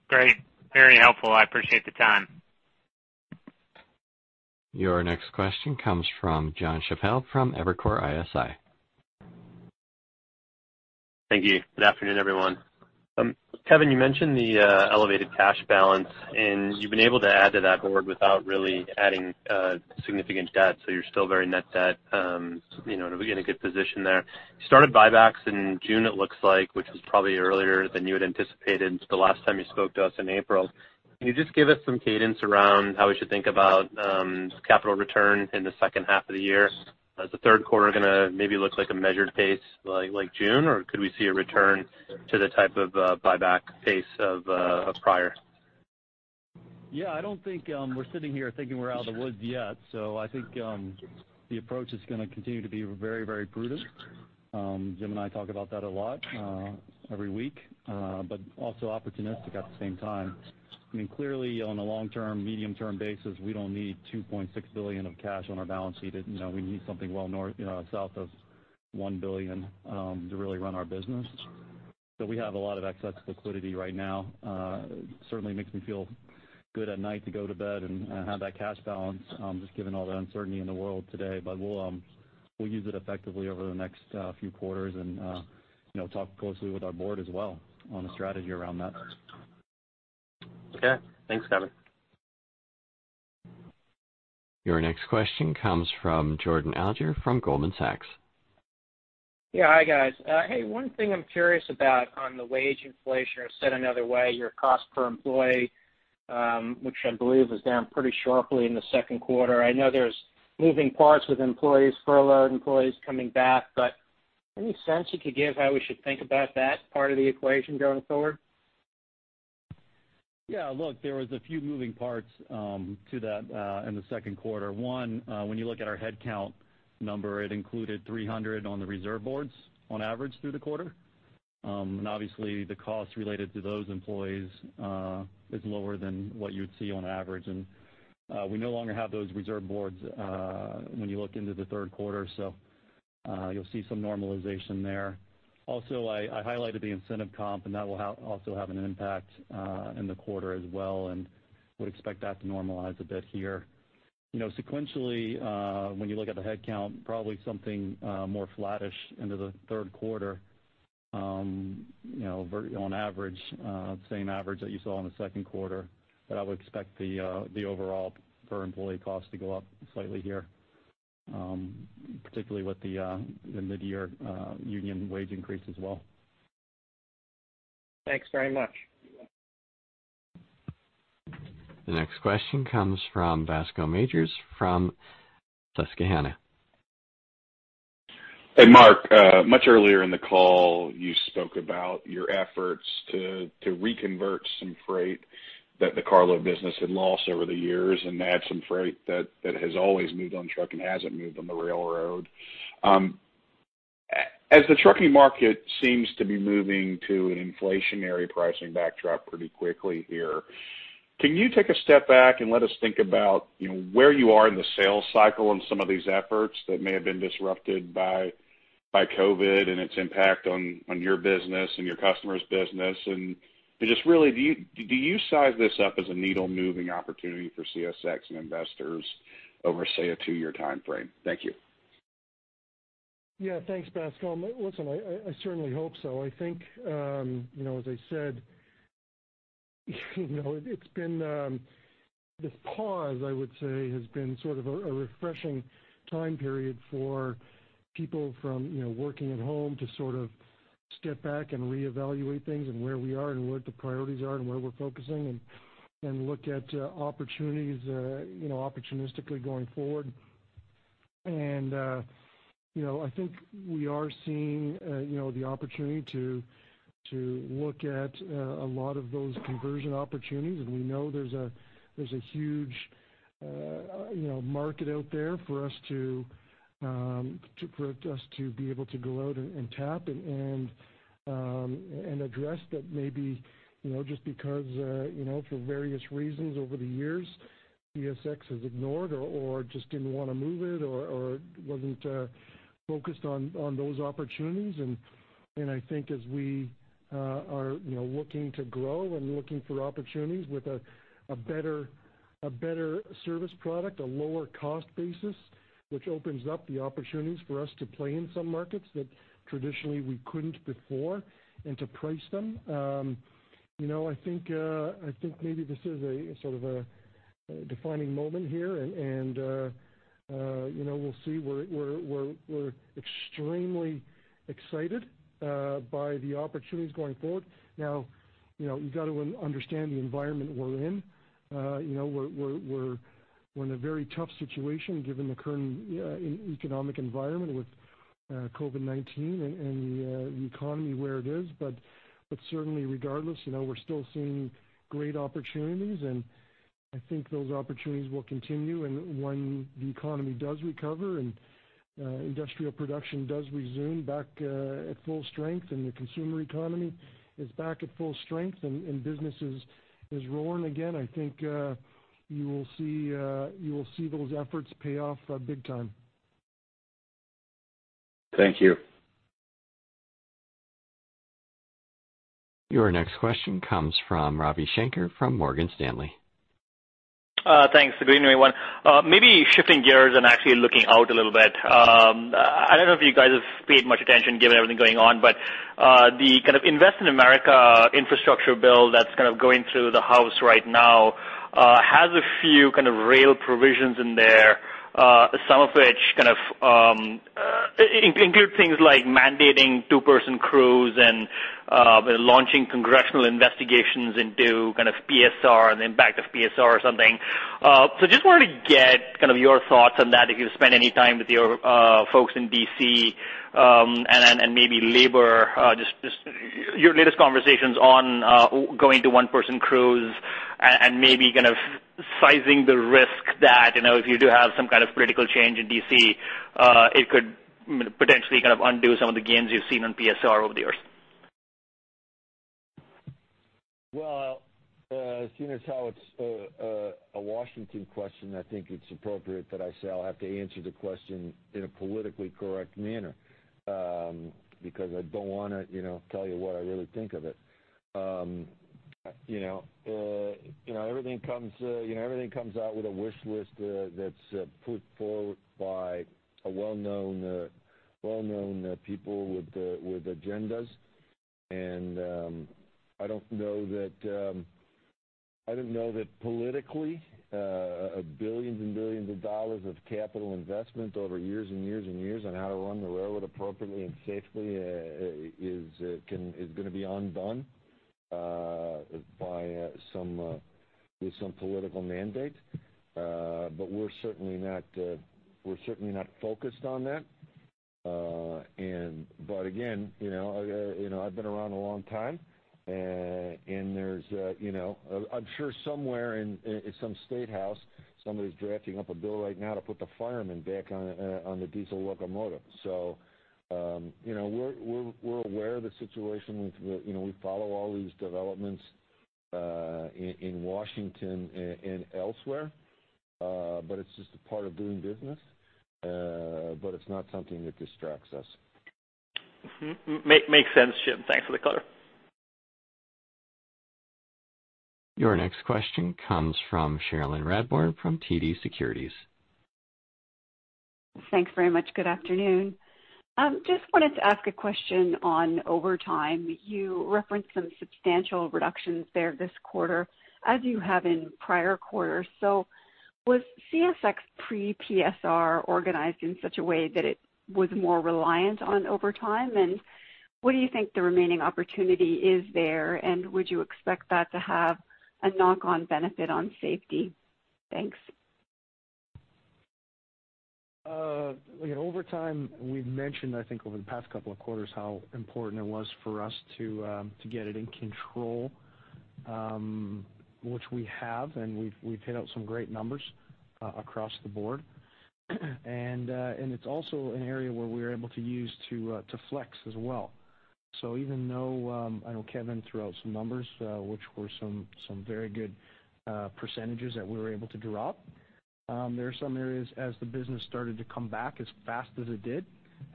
Great. Very helpful. I appreciate the time. Your next question comes from Jonathan Chappell from Evercore ISI. Thank you. Good afternoon, everyone. Kevin, you mentioned the elevated cash balance, and you've been able to add to that hoard without really adding significant debt, so you're still very net debt, in a good position there. You started buybacks in June, it looks like, which was probably earlier than you had anticipated the last time you spoke to us in April. Can you just give us some cadence around how we should think about capital return in the second half of the year? Is the third quarter going to maybe look like a measured pace like June, or could we see a return to the type of buyback pace of prior? Yeah, I don't think we're sitting here thinking we're out of the woods yet. I think the approach is going to continue to be very prudent. Jim and I talk about that a lot every week, but also opportunistic at the same time. Clearly, on a long-term, medium-term basis, we don't need $2.6 billion of cash on our balance sheet. We need something south of $1 billion to really run our business. We have a lot of excess liquidity right now. Certainly makes me feel good at night to go to bed and have that cash balance, just given all the uncertainty in the world today. We'll use it effectively over the next few quarters and talk closely with our board as well on a strategy around that. Okay. Thanks, Kevin. Your next question comes from Jordan Alliger from Goldman Sachs. Yeah. Hi, guys. Hey, one thing I'm curious about on the wage inflation, or said another way, your cost per employee, which I believe is down pretty sharply in the second quarter. Any sense you could give how we should think about that part of the equation going forward? Yeah, look, there was a few moving parts to that in the second quarter. One, when you look at our headcount number, it included 300 on the reserve boards on average through the quarter. Obviously the cost related to those employees is lower than what you'd see on average. We no longer have those reserve boards when you look into the third quarter, so you'll see some normalization there. Also, I highlighted the incentive comp, and that will also have an impact in the quarter as well, and would expect that to normalize a bit here. Sequentially, when you look at the headcount, probably something more flattish into the third quarter, on average, same average that you saw in the second quarter. I would expect the overall per employee cost to go up slightly here, particularly with the mid-year union wage increase as well. Thanks very much. The next question comes from Bascome Majors from Susquehanna. Hey, Mark. Much earlier in the call, you spoke about your efforts to reconvert some freight that the carload business had lost over the years and add some freight that has always moved on truck and hasn't moved on the railroad. As the trucking market seems to be moving to an inflationary pricing backdrop pretty quickly here, can you take a step back and let us think about where you are in the sales cycle on some of these efforts that may have been disrupted by COVID and its impact on your business and your customers' business? Just really, do you size this up as a needle-moving opportunity for CSX and investors over, say, a two-year time frame? Thank you. Yeah. Thanks, Bascome. Listen, I certainly hope so. I think, as I said, this pause, I would say, has been sort of a refreshing time period for people from working at home to sort of step back and reevaluate things and where we are and what the priorities are and where we're focusing, and look at opportunities opportunistically going forward. I think we are seeing the opportunity to look at a lot of those conversion opportunities, and we know there's a huge market out there for us to be able to go out and tap and address that maybe just because for various reasons over the years, CSX has ignored or just didn't want to move it or wasn't focused on those opportunities. I think as we are looking to grow and looking for opportunities with a better service product, a lower cost basis, which opens up the opportunities for us to play in some markets that traditionally we couldn't before and to price them. I think maybe this is a sort of a defining moment here, and we'll see. We're extremely excited by the opportunities going forward. You got to understand the environment we're in. We're in a very tough situation given the current economic environment with COVID-19 and the economy where it is. Certainly, regardless, we're still seeing great opportunities, and I think those opportunities will continue. When the economy does recover and industrial production does resume back at full strength and the consumer economy is back at full strength and business is roaring again, I think you will see those efforts pay off big time. Thank you. Your next question comes from Ravi Shanker from Morgan Stanley. Thanks. Good evening, everyone. Maybe shifting gears and actually looking out a little bit. I don't know if you guys have paid much attention given everything going on, the kind of Invest in America infrastructure bill that's kind of going through the House right now has a few kind of rail provisions in there, some of which kind of include things like mandating 2-person crews and launching congressional investigations into kind of PSR and the impact of PSR or something. Just wanted to get your thoughts on that, if you spend any time with your folks in D.C. and maybe labor, just your latest conversations on going to 1-person crews and maybe kind of sizing the risk that, if you do have some kind of political change in D.C., it could potentially kind of undo some of the gains you've seen on PSR over the years. Well, seeing as how it's a Washington question, I think it's appropriate that I say I'll have to answer the question in a politically correct manner, because I don't want to tell you what I really think of it. Everything comes out with a wish list that's put forward by well-known people with agendas. I don't know that politically, billions and billions of dollars of capital investment over years and years and years on how to run the railroad appropriately and safely is going to be undone with some political mandate. We're certainly not focused on that. Again, I've been around a long time and I'm sure somewhere in some state house, somebody's drafting up a bill right now to put the firemen back on the diesel locomotive. We're aware of the situation. We follow all these developments, in Washington and elsewhere. It's just a part of doing business, but it's not something that distracts us. Makes sense, Jim. Thanks for the color. Your next question comes from Cherilyn Radbourne from TD Securities. Thanks very much. Good afternoon. Just wanted to ask a question on overtime. You referenced some substantial reductions there this quarter, as you have in prior quarters. Was CSX pre-PSR organized in such a way that it was more reliant on overtime? What do you think the remaining opportunity is there? Would you expect that to have a knock-on benefit on safety? Thanks. Overtime, we've mentioned, I think, over the past couple of quarters how important it was for us to get it in control, which we have, and we've hit out some great numbers across the board. It's also an area where we are able to use to flex as well. Even though, I know Kevin threw out some numbers, which were some very good % that we were able to drop, there are some areas as the business started to come back as fast as it did,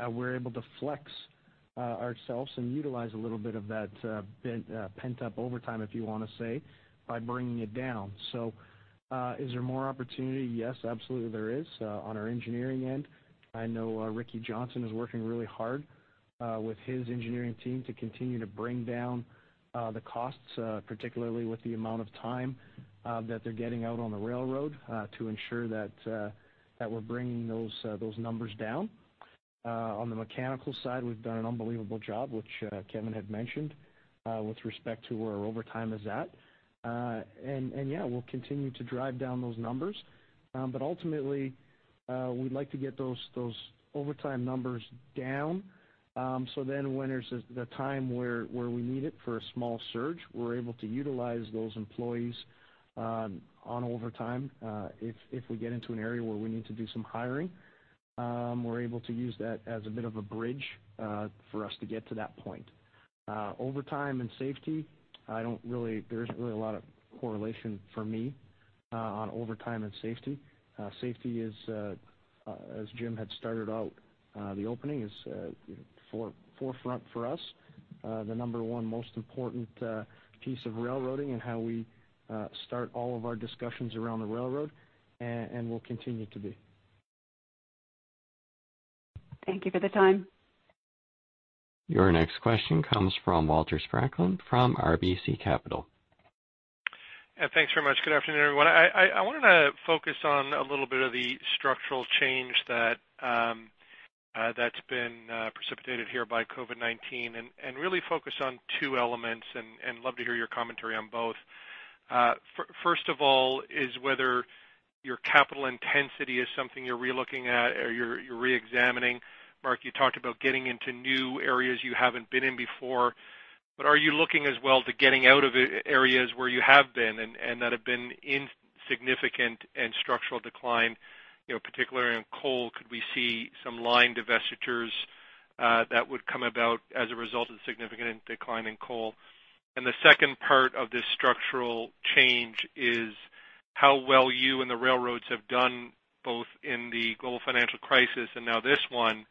we're able to flex ourselves and utilize a little bit of that pent-up overtime, if you want to say, by bringing it down. Is there more opportunity? Yes, absolutely there is. On our engineering end, I know Ricky Johnson is working really hard with his engineering team to continue to bring down the costs, particularly with the amount of time that they're getting out on the railroad, to ensure that we're bringing those numbers down. On the mechanical side, we've done an unbelievable job, which Kevin had mentioned, with respect to where our overtime is at. Yeah, we'll continue to drive down those numbers. Ultimately, we'd like to get those overtime numbers down, when there's the time where we need it for a small surge, we're able to utilize those employees on overtime. If we get into an area where we need to do some hiring, we're able to use that as a bit of a bridge for us to get to that point. Overtime and safety, there isn't really a lot of correlation for me on overtime and safety. Safety is, as Jim had started out the opening, is forefront for us, the number one most important piece of railroading and how we start all of our discussions around the railroad and will continue to be. Thank you for the time. Your next question comes from Walter Spracklen from RBC Capital. Thanks very much. Good afternoon, everyone. I wanted to focus on a little bit of the structural change that's been precipitated here by COVID-19 and really focus on two elements and love to hear your commentary on both. First of all, is whether your capital intensity is something you're re-looking at or you're re-examining. Mark, you talked about getting into new areas you haven't been in before, but are you looking as well to getting out of areas where you have been and that have been in significant and structural decline, particularly on coal? Could we see some line divestitures that would come about as a result of the significant decline in coal? The second part of this structural change is how well you and the railroads have done, both in the global financial crisis and now this one,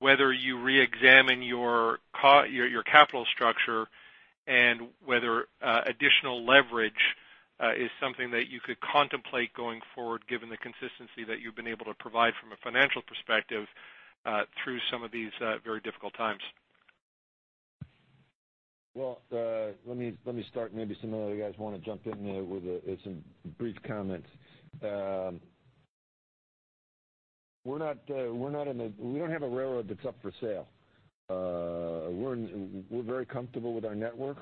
whether you re-examine your capital structure and whether additional leverage is something that you could contemplate going forward given the consistency that you've been able to provide from a financial perspective through some of these very difficult times. Well, let me start. Maybe some of the other guys want to jump in there with some brief comments. We don't have a railroad that's up for sale. We're very comfortable with our network.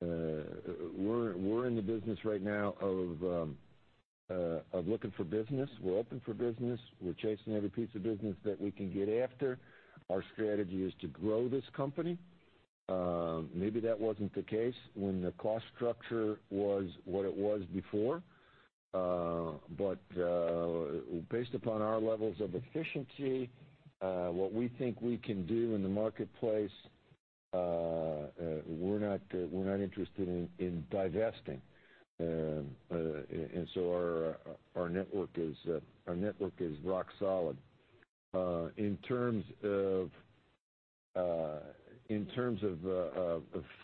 We're in the business right now of looking for business. We're open for business. We're chasing every piece of business that we can get after. Our strategy is to grow this company. Maybe that wasn't the case when the cost structure was what it was before. Based upon our levels of efficiency, what we think we can do in the marketplace, we're not interested in divesting. Our network is rock solid. In terms of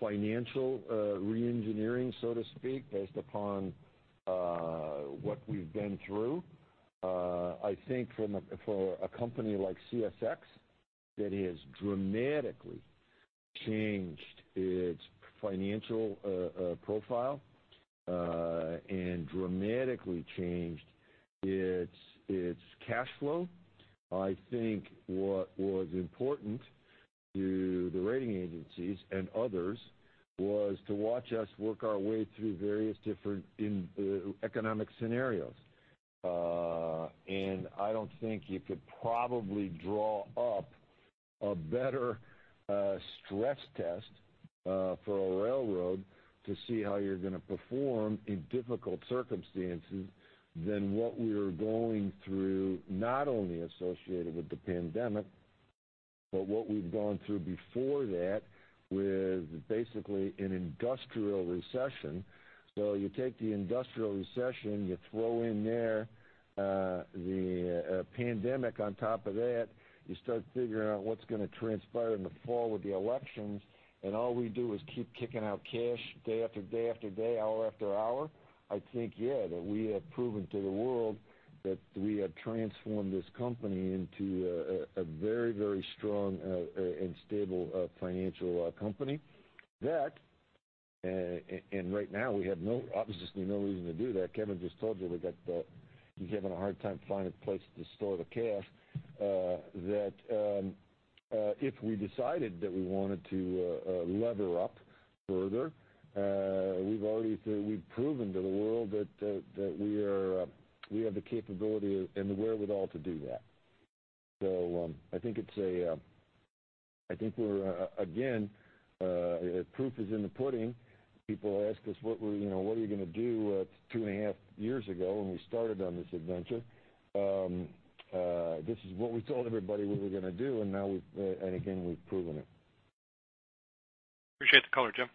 financial re-engineering, so to speak, based upon what we've been through, I think for a company like CSX that has dramatically changed its financial profile and dramatically changed its cash flow, I think what was important to the rating agencies and others was to watch us work our way through various different economic scenarios. I don't think you could probably draw up a better stress test for a railroad to see how you're going to perform in difficult circumstances than what we're going through, not only associated with the pandemic, but what we've gone through before that with basically an industrial recession. You take the industrial recession, you throw in there the pandemic on top of that, you start figuring out what's going to transpire in the fall with the elections, and all we do is keep kicking out cash day after day after day, hour after hour. I think yeah, that we have proven to the world that we have transformed this company into a very strong and stable financial company. Right now, we have obviously no reason to do that. Kevin just told you he's having a hard time finding a place to store the cash. That if we decided that we wanted to lever up further, we've proven to the world that we have the capability and the wherewithal to do that. I think again, proof is in the pudding. People ask us, "What are you going to do?" 2.5 years ago when we started on this adventure. This is what we told everybody we were going to do. Again, we've proven it. Appreciate the color, Jim.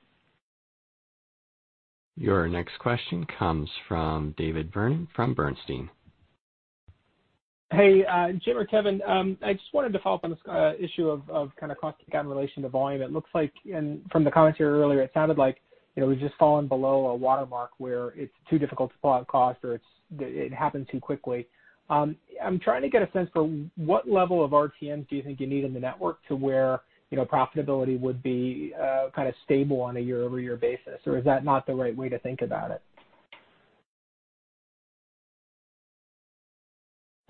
Your next question comes from David Vernon from Bernstein. Hey, Jim or Kevin. I just wanted to follow up on this issue of cost in relation to volume. It looks like from the commentary earlier, it sounded like we've just fallen below a watermark where it's too difficult to pull out cost or it happened too quickly. I'm trying to get a sense for what level of RTMs do you think you need in the network to where profitability would be stable on a year-over-year basis? Is that not the right way to think about it?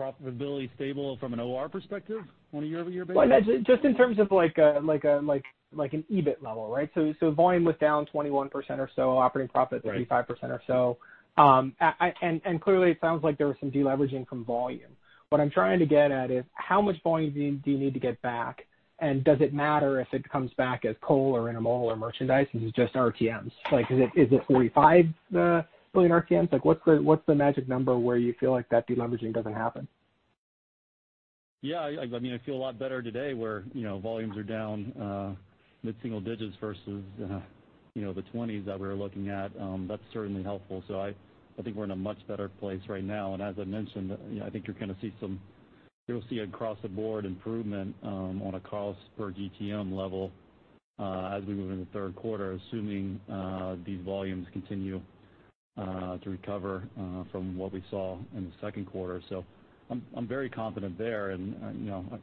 Profitability stable from an OR perspective on a year-over-year basis? Just in terms of an EBIT level, right? Volume was down 21% or so. Right 35% or so. Clearly it sounds like there was some de-leveraging from volume. What I'm trying to get at is how much volume do you need to get back, and does it matter if it comes back as coal or intermodal or merchandise, and is it just RTMs? Is it 45 billion RTMs? What's the magic number where you feel like that de-leveraging doesn't happen? Yeah. I feel a lot better today where volumes are down mid-single digits versus the 20s that we were looking at. That's certainly helpful. I think we're in a much better place right now. As I mentioned, I think you'll see across the board improvement on a cost per GTM level as we move into the third quarter, assuming these volumes continue to recover from what we saw in the second quarter. I'm very confident there. I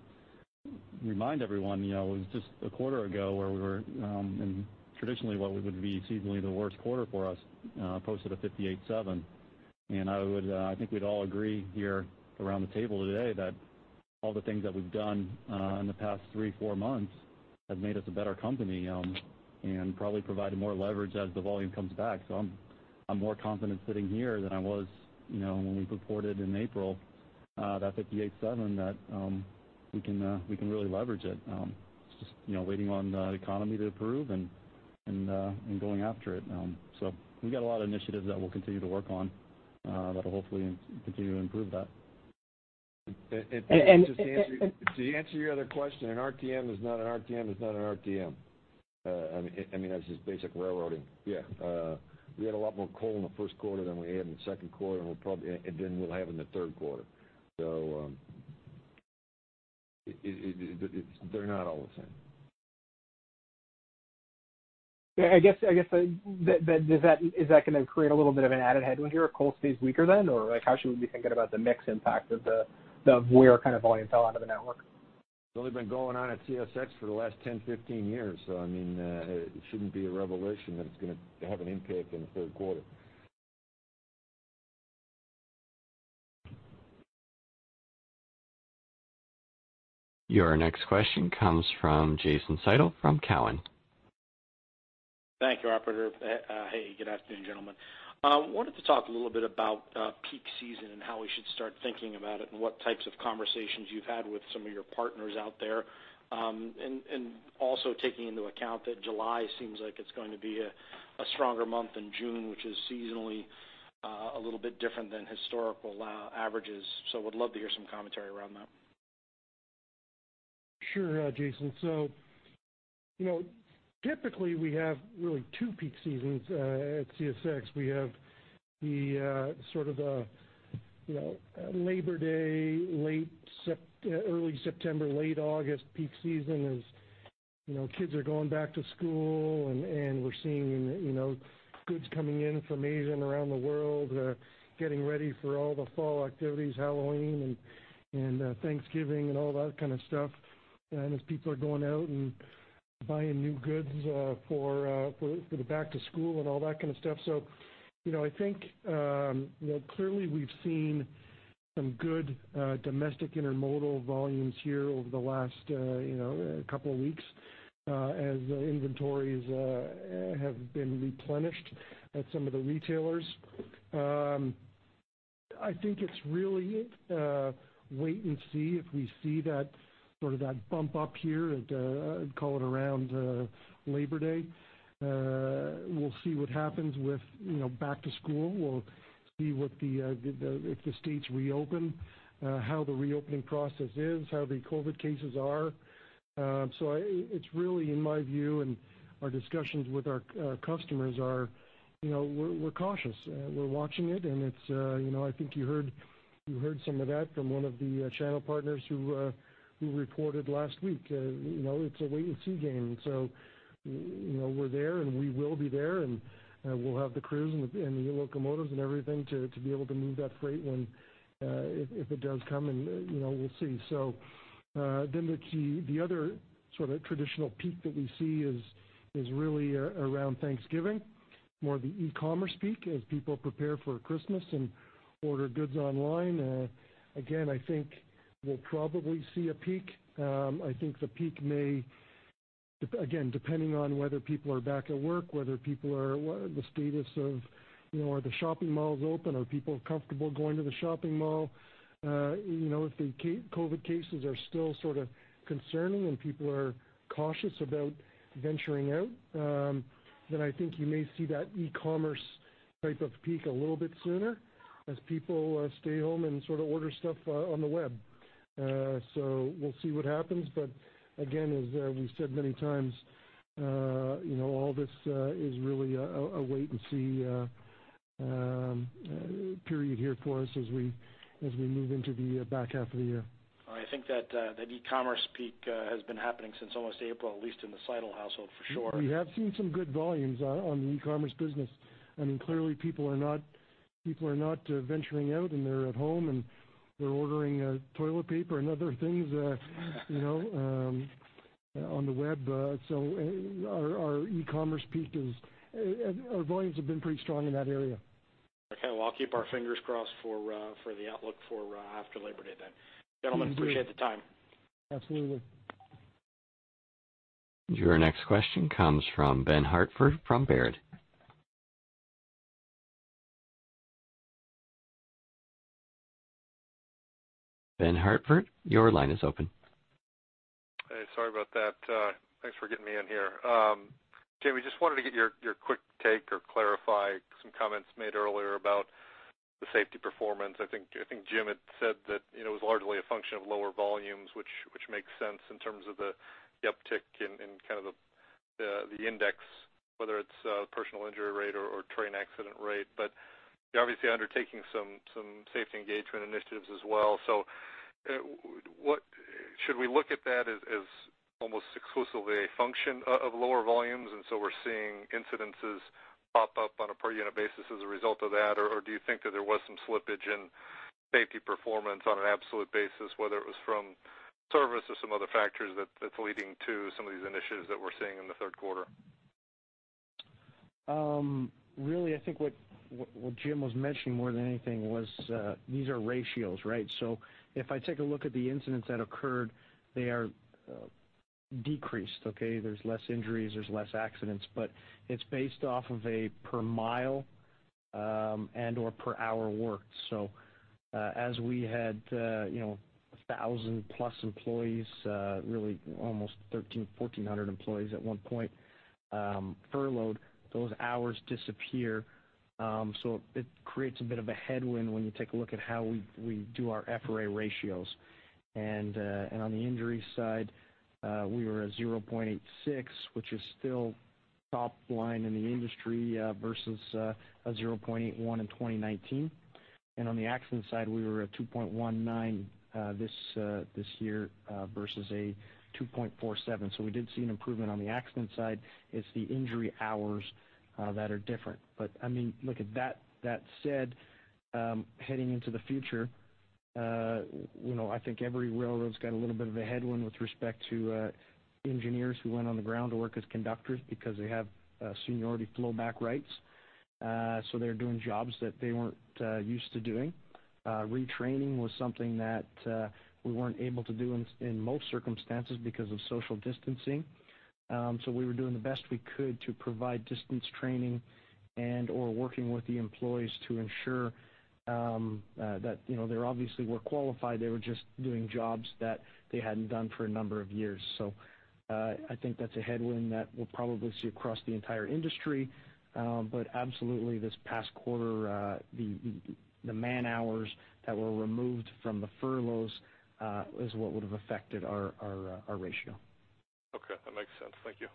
remind everyone, it was just a quarter ago where we were, and traditionally what would be seasonally the worst quarter for us, posted a 58 seven. I think we'd all agree here around the table today that all the things that we've done in the past three, four months have made us a better company and probably provided more leverage as the volume comes back. I'm more confident sitting here than I was when we reported in April, that 58 seven, that we can really leverage it. It's just waiting on the economy to improve and going after it. We've got a lot of initiatives that we'll continue to work on that'll hopefully continue to improve that. And- To answer your other question, an RTM is not an RTM is not an RTM. That's just basic railroading. Yeah. We had a lot more coal in the first quarter than we had in the second quarter, and than we'll have in the third quarter. They're not all the same. Yeah, I guess, is that going to create a little bit of an added headwind here if coal stays weaker then? How should we be thinking about the mix impact of where kind of volume fell out of the network? It's only been going on at CSX for the last 10, 15 years. It shouldn't be a revelation that it's going to have an impact in the third quarter. Your next question comes from Jason Seidl from Cowen. Thank you, operator. Hey, good afternoon, gentlemen. Wanted to talk a little bit about peak season and how we should start thinking about it, and what types of conversations you've had with some of your partners out there. Also taking into account that July seems like it's going to be a stronger month than June, which is seasonally a little bit different than historical averages. Would love to hear some commentary around that. Sure, Jason. Typically we have really two peak seasons at CSX. We have the sort of Labor Day, early September, late August peak season as kids are going back to school and we're seeing goods coming in from Asia, around the world, getting ready for all the fall activities, Halloween and Thanksgiving and all that kind of stuff. As people are going out and buying new goods for the back to school and all that kind of stuff. I think, clearly we've seen some good domestic intermodal volumes here over the last couple of weeks, as the inventories have been replenished at some of the retailers. I think it's really wait and see if we see that sort of that bump up here at, I'd call it around Labor Day. We'll see what happens with back to school. We'll see if the states reopen, how the reopening process is, how the COVID cases are. It's really in my view and our discussions with our customers are, we're cautious. We're watching it and I think you heard some of that from one of the channel partners who reported last week. It's a wait-and-see game. We're there and we will be there, and we'll have the crews and the locomotives and everything to be able to move that freight if it does come and we'll see. Then the other sort of traditional peak that we see is really around Thanksgiving, more the e-commerce peak as people prepare for Christmas and order goods online. Again, I think we'll probably see a peak. I think the peak may, again, depending on whether people are back at work, the status of are the shopping malls open? Are people comfortable going to the shopping mall? If the COVID cases are still sort of concerning and people are cautious about venturing out, I think you may see that e-commerce type of peak a little bit sooner as people stay home and sort of order stuff on the web. We'll see what happens, but again, as we've said many times, all this is really a wait-and-see period here for us as we move into the back half of the year. I think that e-commerce peak has been happening since almost April, at least in the Seidl household, for sure. We have seen some good volumes on the e-commerce business. Clearly people are not venturing out, and they're at home, and they're ordering toilet paper and other things on the web. Our volumes have been pretty strong in that area. Okay. Well, I'll keep our fingers crossed for the outlook for after Labor Day then. Indeed. Gentlemen, appreciate the time. Absolutely. Your next question comes from Benjamin Hartford from Baird. Benjamin Hartford, your line is open. Hey, sorry about that. Thanks for getting me in here. Jamie, just wanted to get your quick take or clarify some comments made earlier about the safety performance. I think Jim had said that it was largely a function of lower volumes, which makes sense in terms of the uptick in kind of the index, whether it's personal injury rate or train accident rate. You're obviously undertaking some safety engagement initiatives as well. Should we look at that as almost exclusively a function of lower volumes, and so we're seeing incidences pop up on a per unit basis as a result of that? Do you think that there was some slippage in safety performance on an absolute basis, whether it was from service or some other factors that's leading to some of these initiatives that we're seeing in the third quarter? Really, I think what Jim was mentioning more than anything was, these are ratios, right? If I take a look at the incidents that occurred, they are decreased, okay? There's less injuries, there's less accidents. It's based off of a per mile, and/or per hour worked. As we had 1,000+ employees, really almost 1,300, 1,400 employees at one point furloughed, those hours disappear. It creates a bit of a headwind when you take a look at how we do our FRA ratios. On the injury side, we were at 0.86, which is still top line in the industry, versus a 0.81 in 2019. On the accident side, we were at 2.19 this year, versus a 2.47. We did see an improvement on the accident side. It's the injury hours that are different. Look, that said, heading into the future, I think every railroad's got a little bit of a headwind with respect to engineers who went on the ground to work as conductors because they have seniority flow back rights. They're doing jobs that they weren't used to doing. Retraining was something that we weren't able to do in most circumstances because of social distancing. We were doing the best we could to provide distance training and/or working with the employees to ensure that they obviously were qualified, they were just doing jobs that they hadn't done for a number of years. I think that's a headwind that we'll probably see across the entire industry. Absolutely this past quarter, the man-hours that were removed from the furloughs is what would have affected our ratio. Okay. That makes sense. Thank you.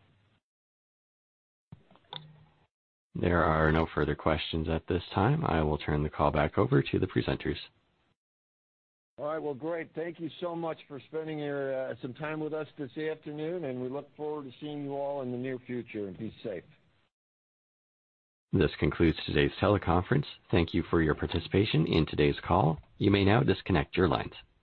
There are no further questions at this time. I will turn the call back over to the presenters. All right, well, great. Thank you so much for spending some time with us this afternoon. We look forward to seeing you all in the near future. Be safe. This concludes today's teleconference. Thank you for your participation in today's call. You may now disconnect your lines.